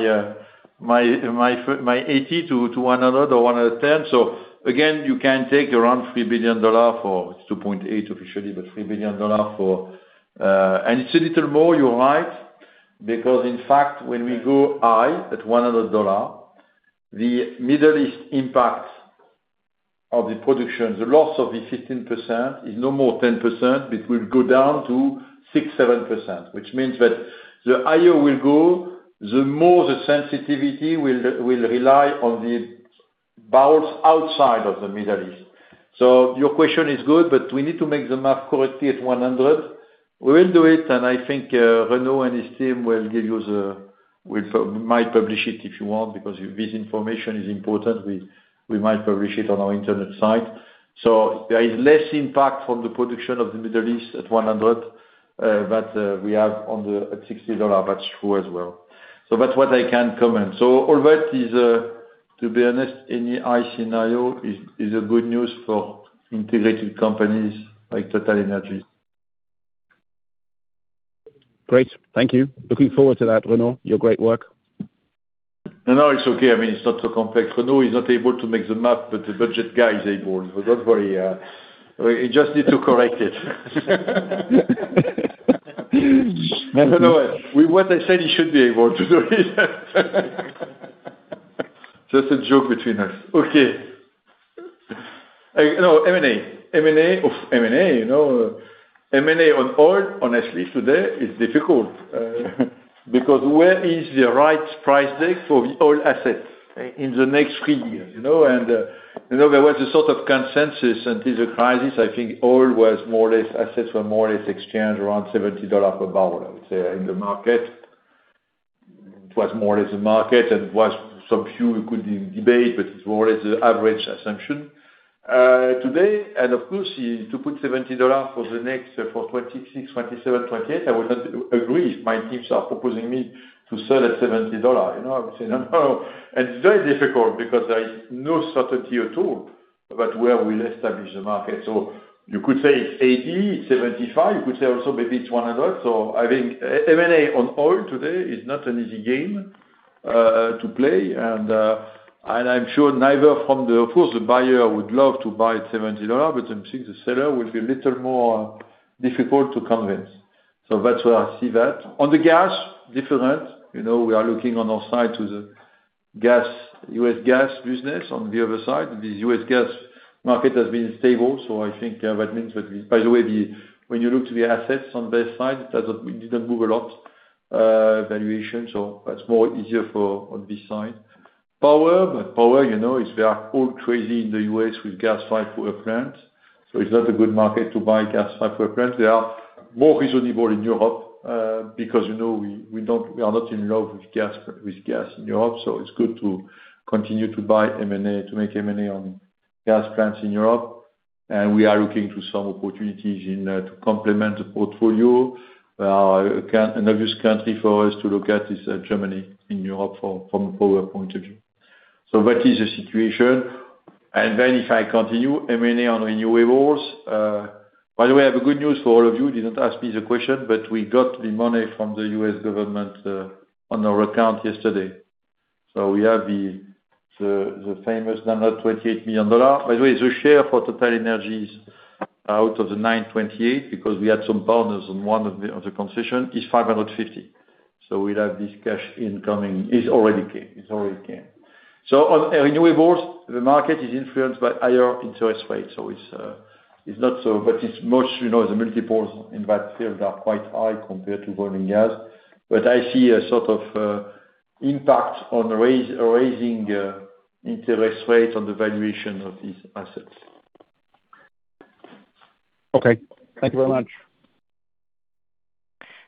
80 to 100 or 110. Again, you can take around EUR 3 billion for. It's 2.8 officially, but $3 billion for. It's a little more, you're right, because in fact when we go high at $100, the Middle East impact of the production, the loss of the 15% is no more 10%. It will go down to 6%, 7%. Which means that the higher we go, the more the sensitivity will rely on the barrels outside of the Middle East. Your question is good, but we need to make the math correctly at 100. We will do it. I think Renaud and his team will give you the. We might publish it if you want because this information is important. We might publish it on our internet site. There is less impact on the production of the Middle East at 100, that we have on the, at EUR 60. That's true as well. That's what I can comment. All that is, to be honest, any high scenario is a good news for integrated companies like TotalEnergies. Great. Thank you. Looking forward to that, Renaud, your great work. No, no, it's okay. I mean, it's not so complex. Renaud Lions is not able to make the map, but the budget guy is able. Don't worry, we just need to correct it. No, with what I said, he should be able to do it. Just a joke between us. Okay. No, M&A. M&A, M&A, you know. M&A on oil, honestly, today is difficult, because where is the right price there for the oil assets in the next three years? You know, and, you know, there was a sort of consensus until the crisis, I think oil was more or less, assets were more or less exchanged around EUR 70 per barrel, I would say, in the market. It was more or less the market, and it was some few could debate, but it's more or less the average assumption. Today, to put EUR 70 for the next 2026, 2027, 2028, I wouldn't agree if my teams are proposing me to sell at EUR 70. You know, I would say, "No, no." It's very difficult because there is no certainty at all about where we'll establish the market. You could say it's 80, it's 75. You could say also maybe it's 100. I think M&A on oil today is not an easy game to play. I'm sure Of course, the buyer would love to buy at EUR 70, but I'm sure the seller will be a little more difficult to convince. That's where I see that. On the gas, different. You know, we are looking on our side to the gas, U.S. gas business on the other side. The U.S. gas market has been stable, I think that means that we. By the way, when you look to the assets on their side, it didn't move a lot valuation. That's more easier for on this side. Power, you know, they are all crazy in the U.S. with gas-fired power plant. It's not a good market to buy gas-fired power plant. They are more reasonable in Europe because, you know, we don't, we are not in love with gas in Europe. It's good to continue to buy M&A, to make M&A on gas plants in Europe. We are looking to some opportunities to complement the portfolio. An obvious country for us to look at is Germany in Europe from a power point of view. That is the situation. If I continue, M&A on renewables, by the way, I have good news for all of you. You didn't ask me the question, but we got the money from the U.S. government on our account yesterday. We have the famous $928 million. By the way, the share for TotalEnergies out of the $928 million, because we had some partners on one of the concession, is $550 million. We'll have this cash incoming. It's already came. On renewables, the market is influenced by higher interest rates, so it's not so, but it's much, you know, the multiples in that field are quite high compared to burning gas. I see a sort of impact on raising interest rates on the valuation of these assets. Okay. Thank you very much.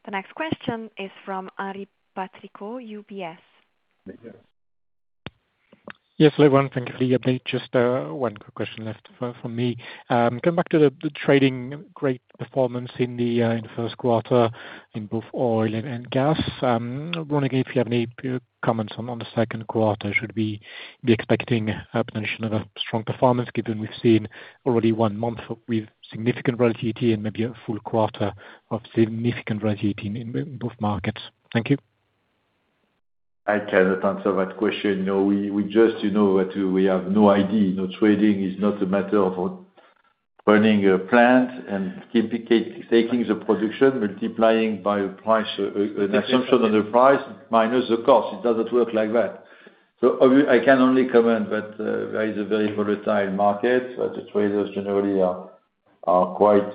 The next question is from Henri Patricot, UBS. Yes, everyone. Thank you for the update. Just one quick question left for, from me. Going back to the trading great performance in the first quarter in both oil and gas. I was wondering if you have any comments on the second quarter. Should we be expecting a potential of a strong performance given we've seen already one month with significant volatility and maybe a full quarter of significant volatility in both markets? Thank you. I cannot answer that question. No, we just, you know, that we have no idea. You know, trading is not a matter of running a plant and taking the production, multiplying by a price, an assumption of the price minus the cost. It doesn't work like that. I can only comment that there is a very volatile market. The traders generally are quite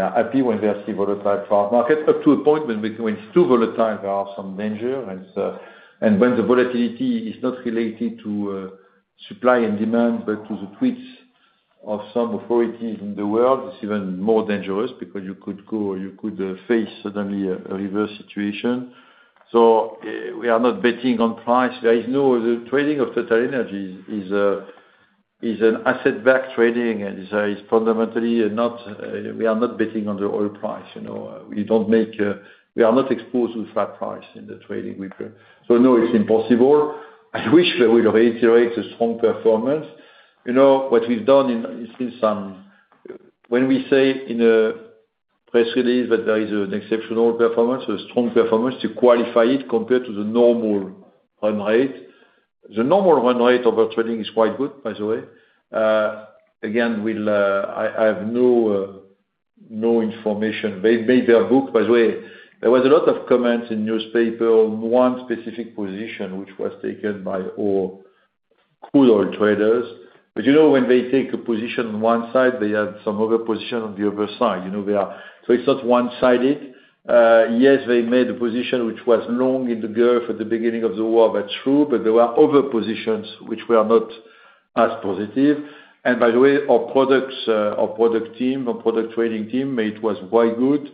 happy when they see volatile market up to a point, but when it's too volatile, there are some danger. When the volatility is not related to supply and demand, but to the tweaks of some authorities in the world, it's even more dangerous because you could face suddenly a reverse situation. We are not betting on price. The trading of TotalEnergies is an asset-backed trading, and is fundamentally not, we are not betting on the oil price. You know, we don't make, we are not exposed with flat price in the trading we do. No, it's impossible. I wish we will reiterate a strong performance. You know, what we've done in, when we say in a press release that there is an exceptional performance, a strong performance to qualify it compared to the normal run rate. The normal run rate of our trading is quite good, by the way. Again, we'll, I have no information. They are booked. By the way, there was a lot of comments in newspaper on one specific position, which was taken by all crude oil traders. You know, when they take a position on one side, they have some other position on the other side. You know. It's not one-sided. Yes, they made a position which was long in the Gulf at the beginning of the war, that's true, but there were other positions which were not as positive. By the way, our products, our product team, our product trading team made was quite good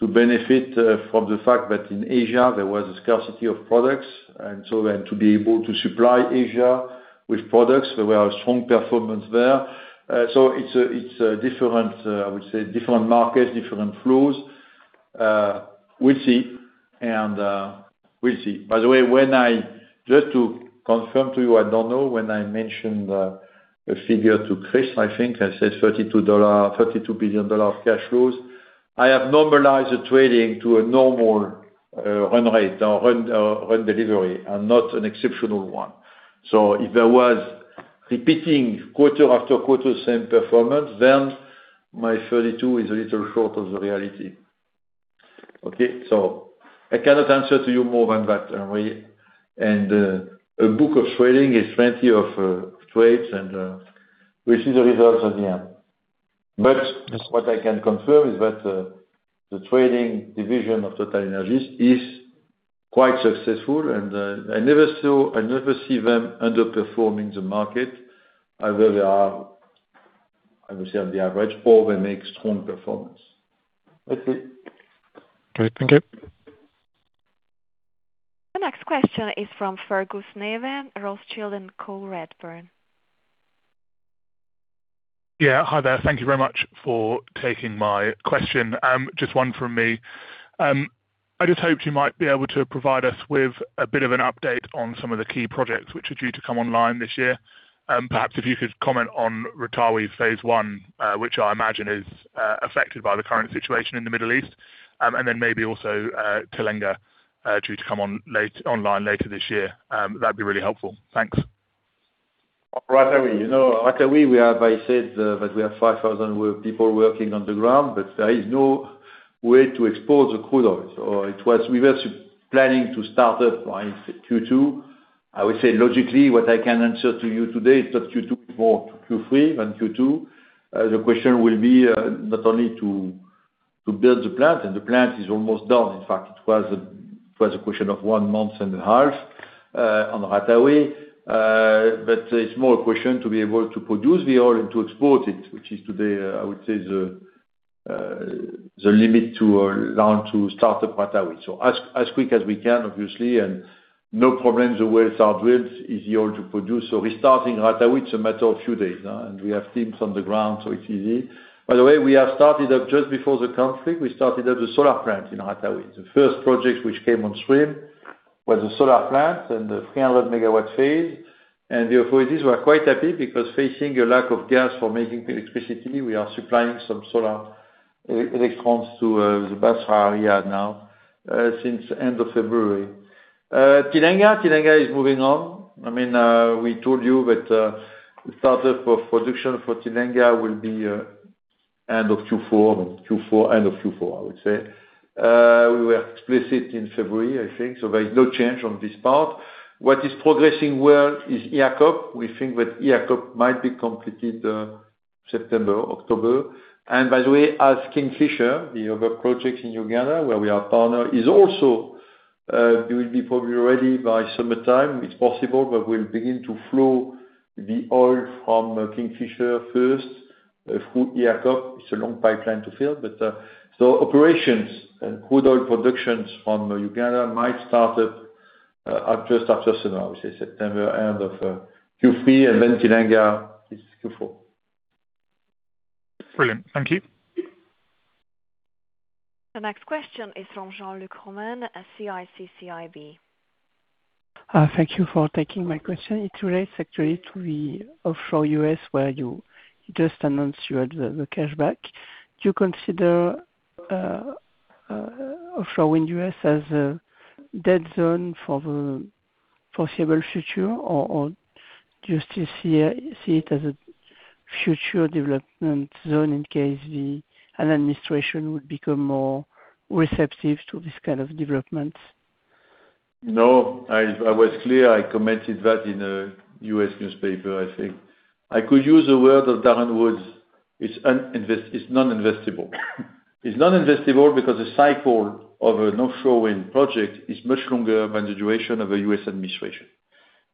to benefit from the fact that in Asia there was a scarcity of products, and so then to be able to supply Asia with products, there were a strong performance there. It's different, I would say different markets, different flows. We'll see, and we'll see. By the way, when I... Just to confirm to you, I don't know, when I mentioned a figure to Christopher, I think I said EUR 32, EUR 32 billion of cash flows. I have normalized the trading to a normal run rate or run delivery and not an exceptional one. If there was repeating quarter after quarter same performance, then my 32 billion is a little short of the reality. Okay. I cannot answer to you more than that, Henri. A book of trading is plenty of trades, and we see the results at the end. What I can confirm is that the trading division of TotalEnergies is quite successful and I never see them underperforming the market. Either they are, I would say, on the average, or they make strong performance. That's it. Okay. Thank you. The next question is from Fergus Neve, Rothschild & Co Redburn. Yeah. Hi there. Thank you very much for taking my question. Just one from me. I just hoped you might be able to provide us with a bit of an update on some of the key projects which are due to come online this year. Perhaps if you could comment on Ratawi phase one, which I imagine is affected by the current situation in the Middle East. Maybe also Tilenga, due to come online later this year. That'd be really helpful. Thanks. Ratawi, you know, Ratawi, we have, I said, that we have 5,000 people working on the ground, but there is no way to export the crude oil. We were planning to start up by Q2. I would say, logically, what I can answer to you today is that Q2 more to Q3 than Q2. The question will be, not only to build the plant, and the plant is almost done. In fact, it was a question of one and a half months on Ratawi. But it's more a question to be able to produce the oil and to export it, which is today, I would say, the limit to allow to start up Ratawi. As quick as we can, obviously, and no problem, the wells are drilled, easy oil to produce. Restarting Ratawi, it's a matter of few days, and we have teams on the ground, so it's easy. By the way, we have started up just before the conflict. We started up the solar plant in Ratawi. The first project which came on stream was the solar plant and the 300 MW phase. The authorities were quite happy because facing a lack of gas for making electricity, we are supplying some solar e-electrons to the Basra area now, since end of February. Tilenga is moving on. I mean, we told you that the startup of production for Tilenga will be end of Q4, I would say. We were explicit in February, I think. There is no change on this part. What is progressing well is EACOP. We think that EACOP might be completed, September, October. As Kingfisher, the other project in Uganda where we are partner, is also, it will be probably ready by summertime. It's possible that we'll begin to flow the oil from Kingfisher first through EACOP. It's a long pipeline to fill. Operations and crude oil productions from Uganda might start up, just now, say September, end of Q3, and then Tilenga is Q4. Brilliant. Thank you. The next question is from Jean-Luc Romain at CIC Market Solutions. Thank you for taking my question. It relates actually to the offshore U.S., where you just announced you had the cashback. Do you consider offshore wind U.S. as a dead zone for the foreseeable future, or do you still see it as a future development zone in case an administration would become more receptive to this kind of development? No, I was clear. I commented that in a U.S. newspaper, I think. I could use a word of Darren Woods. It's non-investable. It's non-investable because the cycle of an offshore wind project is much longer than the duration of a U.S. administration.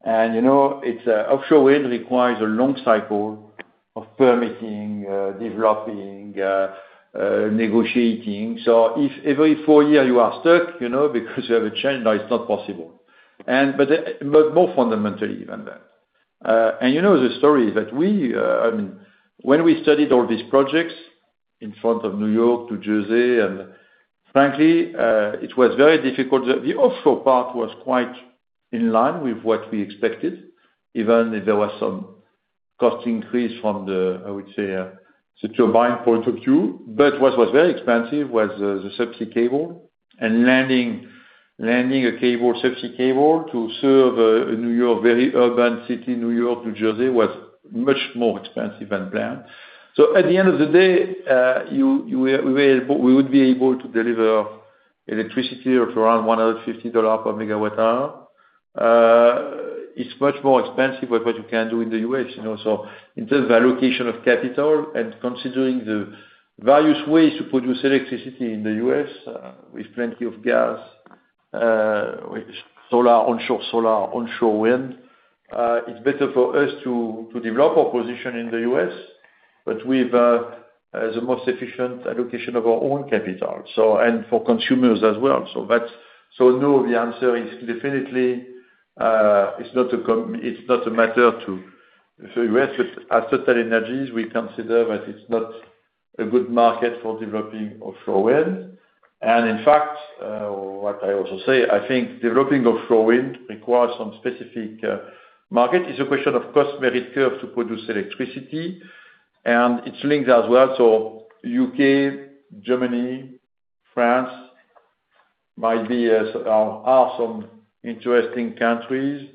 You know, offshore wind requires a long cycle of permitting, developing, negotiating. If every four years you are stuck, you know, because you have a change, now it's not possible. But more fundamentally than that, you know the story that we, when we studied all these projects in front of New York to Jersey, frankly, it was very difficult. The offshore part was quite in line with what we expected, even if there was some cost increase from the, I would say, the turbine point of view. What was very expensive was the subsea cable and landing a cable, subsea cable to serve New York, very urban city, New York, New Jersey, was much more expensive than planned. At the end of the day, you will, we would be able to deliver electricity of around EUR 150 per MWh. It's much more expensive than what you can do in the U.S., you know. In terms of allocation of capital and considering the various ways to produce electricity in the U.S., with plenty of gas, with solar, onshore solar, onshore wind, it's better for us to develop our position in the U.S., but with the most efficient allocation of our own capital, and for consumers as well. That's, so no, the answer is definitely, it's not a matter to the U.S. At TotalEnergies, we consider that it's not a good market for developing offshore wind. In fact, what I also say, I think developing offshore wind requires some specific market. It's a question of cost merit curve to produce electricity, and it's linked as well. U.K., Germany, France might be, are some interesting countries.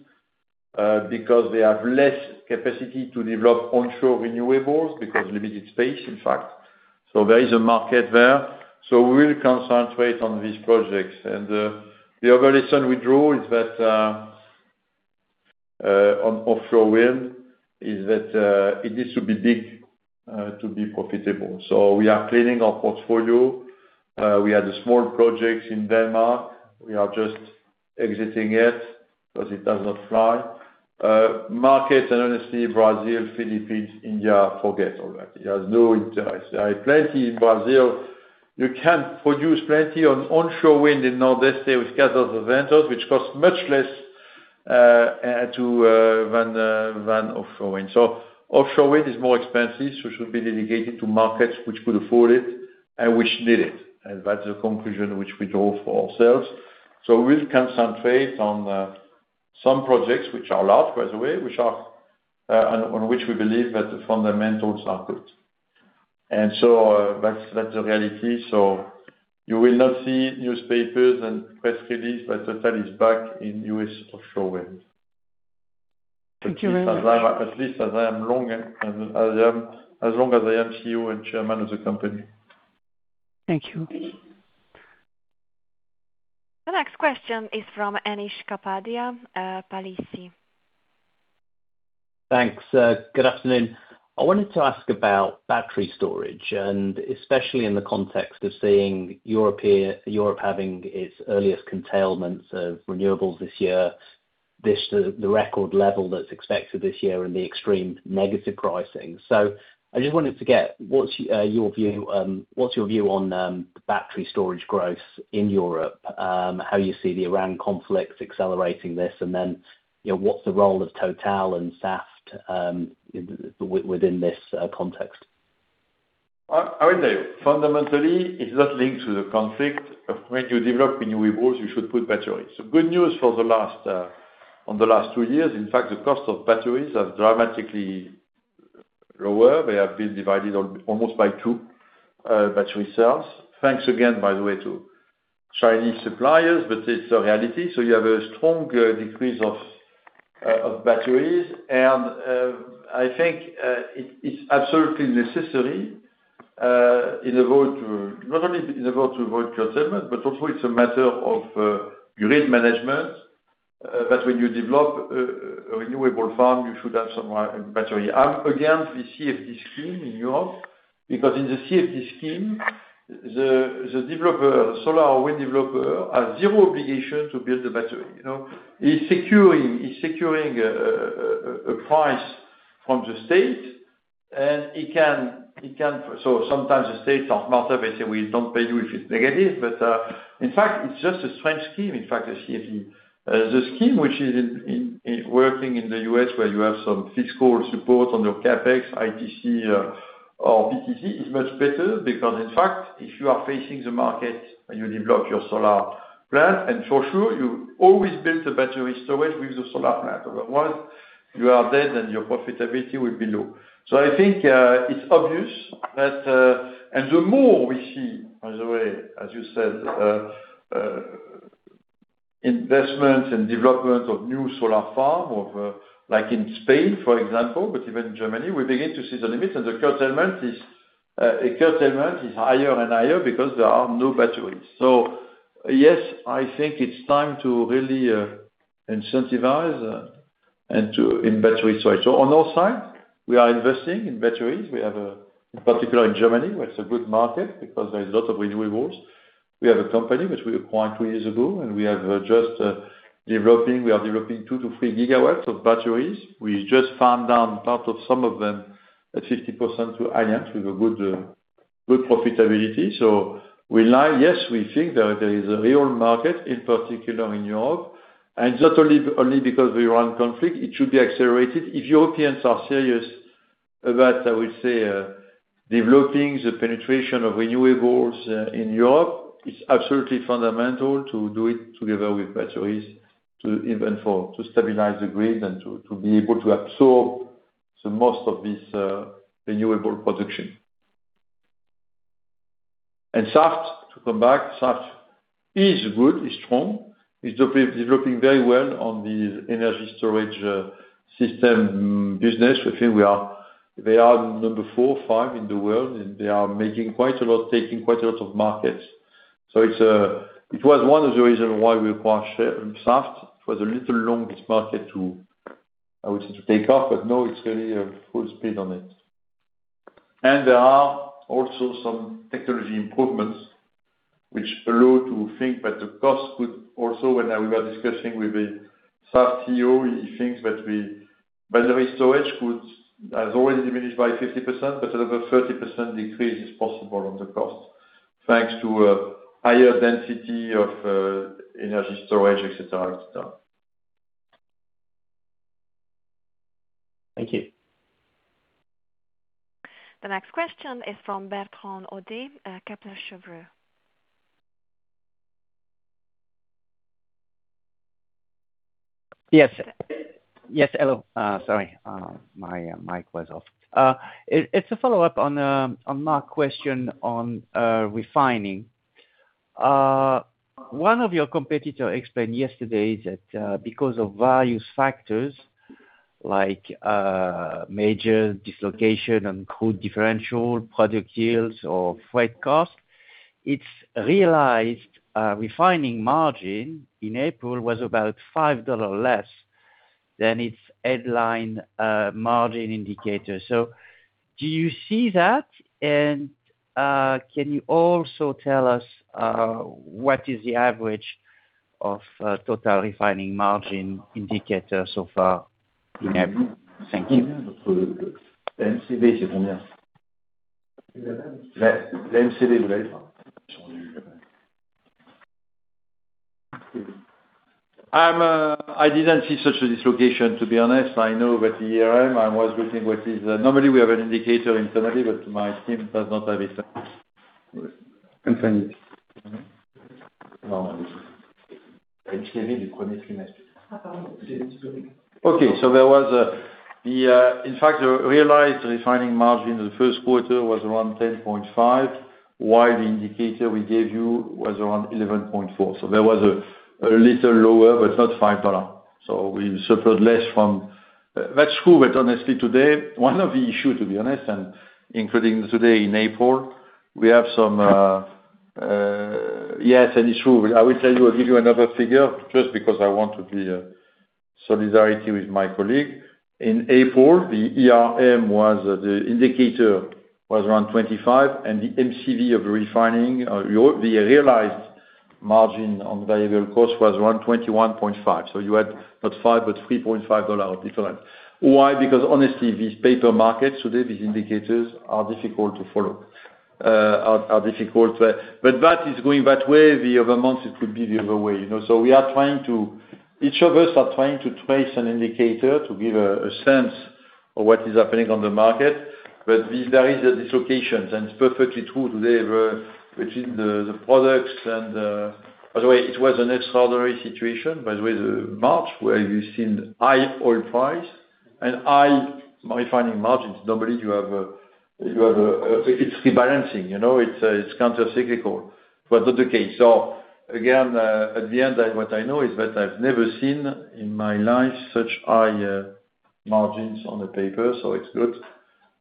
Because they have less capacity to develop onshore renewables because limited space, in fact. There is a market there. We will concentrate on these projects. The other lesson we draw is that on offshore wind is that it needs to be big to be profitable. We are cleaning our portfolio. We had the small projects in Denmark. We are just exiting it because it does not fly. Market, honestly, Brazil, Philippines, India, forget all that. There is no interest. There are plenty in Brazil. You can produce plenty on onshore wind in Northeast with gas or venters, which cost much less to than offshore wind. Offshore wind is more expensive, so it should be dedicated to markets which could afford it and which need it. That's the conclusion which we draw for ourselves. We'll concentrate on some projects which are large, by the way, which are on which we believe that the fundamentals are good. That's the reality. You will not see newspapers and press release that Total is back in U.S. offshore wind. Thank you very much. At least as long as I am CEO and Chairman of the company. Thank you. The next question is from Anish Kapadia, Palissy Advisors. Thanks. good afternoon. I wanted to ask about battery storage, and especially in the context of seeing Europe having its earliest curtailments of renewables this year, the record level that's expected this year and the extreme negative pricing. I just wanted to get what's your view, what's your view on battery storage growth in Europe, how you see the Iran conflict accelerating this, and then, you know, what's the role of TotalEnergies and Saft within this context? I will tell you, fundamentally, it's not linked to the conflict. When you develop renewables, you should put batteries. Good news for the last on the last two years, in fact, the cost of batteries are dramatically lower. They have been divided almost by two, battery cells. Thanks again, by the way, to Chinese suppliers, but it's a reality. You have a strong decrease of batteries. I think it's absolutely necessary in order to not only in order to avoid curtailment, but also it's a matter of grid management that when you develop a renewable farm, you should have some battery. I'm against the CFD scheme in Europe because in the CFD scheme, the developer, solar or wind developer, has zero obligation to build a battery. You know? He's securing a price from the state. Sometimes the states are smarter. They say, "We don't pay you if it's negative." In fact, it's just a strange scheme, in fact, the CFD. The scheme which is in working in the U.S., where you have some fiscal support on your CapEx, ITC, or PTC, is much better because, in fact, if you are facing the market and you develop your solar plant, and for sure, you always build a battery storage with the solar plant. Otherwise, you are dead and your profitability will be low. I think it's obvious that. The more we see, by the way, as you said, investments and development of new solar farm or, like in Spain, for example, but even Germany, we begin to see the limits and the curtailment is higher and higher because there are no batteries. Yes, I think it's time to really incentivize in battery storage. On our side, we are investing in batteries. We have, in particular in Germany, where it's a good market because there is a lot of renewables. We have a company which we acquired two years ago, and we are developing 2 GW-3 GW of batteries. We just farmed down part of some of them at 50% to Allianz with a good profitability. Yes, we think there is a real market, in particular in Europe. It's not only because of the Iran conflict. It should be accelerated. If Europeans are serious about, I would say, developing the penetration of renewables in Europe, it's absolutely fundamental to do it together with batteries to, even for, to stabilize the grid and to be able to absorb the most of this renewable production. Saft, to come back, Saft is good, is strong. It's developing very well on the energy storage system business. I think they are number four or five in the world, and they are making quite a lot, taking quite a lot of markets. It's, it was one of the reasons why we acquired Saft. It was a little long this market to, I would say, to take off, but now it's really full speed on it. There are also some technology improvements which allow to think that the cost could also, when we were discussing with the Saft CEO, he thinks that the battery storage could, has already diminished by 50%, but another 30% decrease is possible on the cost, thanks to a higher density of energy storage, et cetera, et cetera. Thank you. The next question is from Bertrand Hodée at Kepler Cheuvreux. Yes. Yes, hello. Sorry, my mic was off. It's a follow-up on my question on refining. One of your competitor explained yesterday that, because of various factors like, major dislocation and crude differential, product yields or freight costs, its realized refining margin in April was about EUR 5 less than its headline margin indicator. Do you see that? Can you also tell us, what is the average of total refining margin indicator so far in April? Thank you. I'm, I didn't see such a dislocation, to be honest. I know that the ERM, I was looking. Normally we have an indicator internally, but my team does not have it. Okay. There was the, in fact, the realized refining margin in the first quarter was around 10.5, while the indicator we gave you was around 11.4. There was a little lower, but not EUR 5. We suffered. That's true, but honestly today, one of the issue, to be honest, and including today in April. Yes, and it's true. I will tell you, I'll give you another figure just because I want to be solidarity with my colleague. In April, the ERM was, the indicator was around 25, and the MCV of refining, your, the realized Margin on Variable Cost was around 21.5. You had not five, but EUR 3.5 different. Why? Because honestly, these paper markets today, these indicators are difficult to follow. Are difficult. That is going that way. The other months it could be the other way, you know. Each of us are trying to trace an indicator to give a sense of what is happening on the market. There is a dislocations, and it's perfectly true today, between the products and. By the way, it was an extraordinary situation, by the way, the March, where you've seen high oil price and high refining margins. Normally, you have a, it's rebalancing, you know. It's, it's countercyclical, but not the case. Again, at the end, what I know is that I've never seen in my life such high, margins on the paper, so it's good.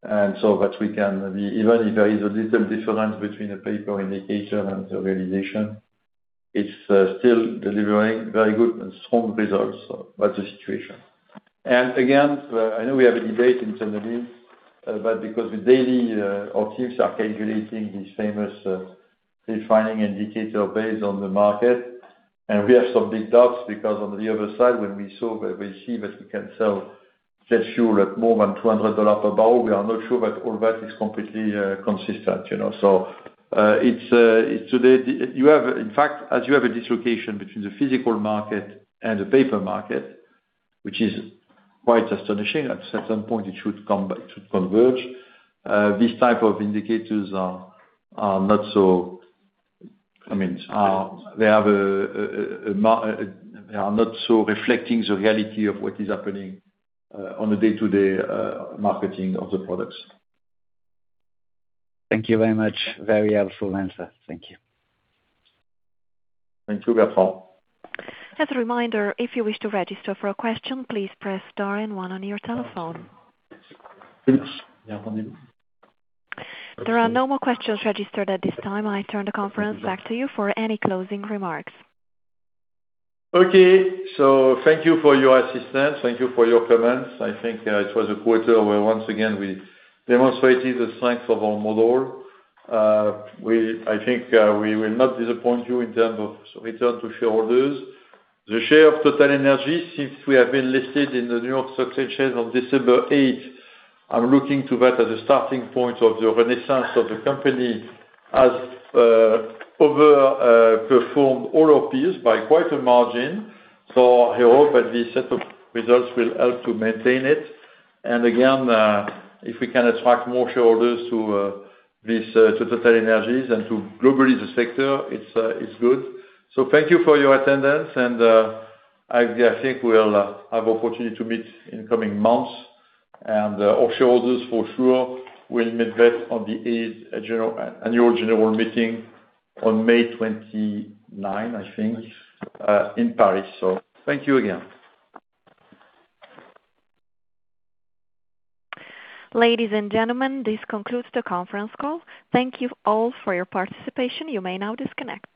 That we can, even if there is a little difference between the paper indicator and the realization, it's, still delivering very good and strong results. That's the situation. Again, I know we have a debate internally, but because the daily, our teams are calculating this famous refining indicator based on the market, and we have some big doubts because on the other side, when we saw that, we see that we can sell fuel at more than $200 per bbl, we are not sure that all that is completely consistent, you know. It's, it's today. You have, in fact, as you have a dislocation between the physical market and the paper market, which is quite astonishing. At certain point it should come, it should converge. These type of indicators are not so, I mean, they are not so reflecting the reality of what is happening on a day-to-day marketing of the products. Thank you very much. Very helpful answer. Thank you. Thank you, Bertrand. As a reminder, if you wish to register for a question, please press star and one on your telephone. Yes. There are no more questions registered at this time. I turn the conference back to you for any closing remarks. Okay. Thank you for your assistance. Thank you for your comments. I think it was a quarter where once again, we demonstrated the strength of our model. I think we will not disappoint you in terms of return to shareholders. The share of TotalEnergies since we have been listed in the New York Stock Exchange on December 8, I'm looking to that as a starting point of the renaissance of the company, has over performed all our peers by quite a margin. I hope that this set of results will help to maintain it. Again, if we can attract more shareholders to this to TotalEnergies and to globally the sector, it's good. Thank you for your attendance and I think we'll have opportunity to meet in the coming months. Our shareholders for sure will meet that on the 8th annual general meeting on May 29, I think, in Paris. Thank you again. Ladies and gentlemen, this concludes the conference call. Thank you all for your participation. You may now disconnect.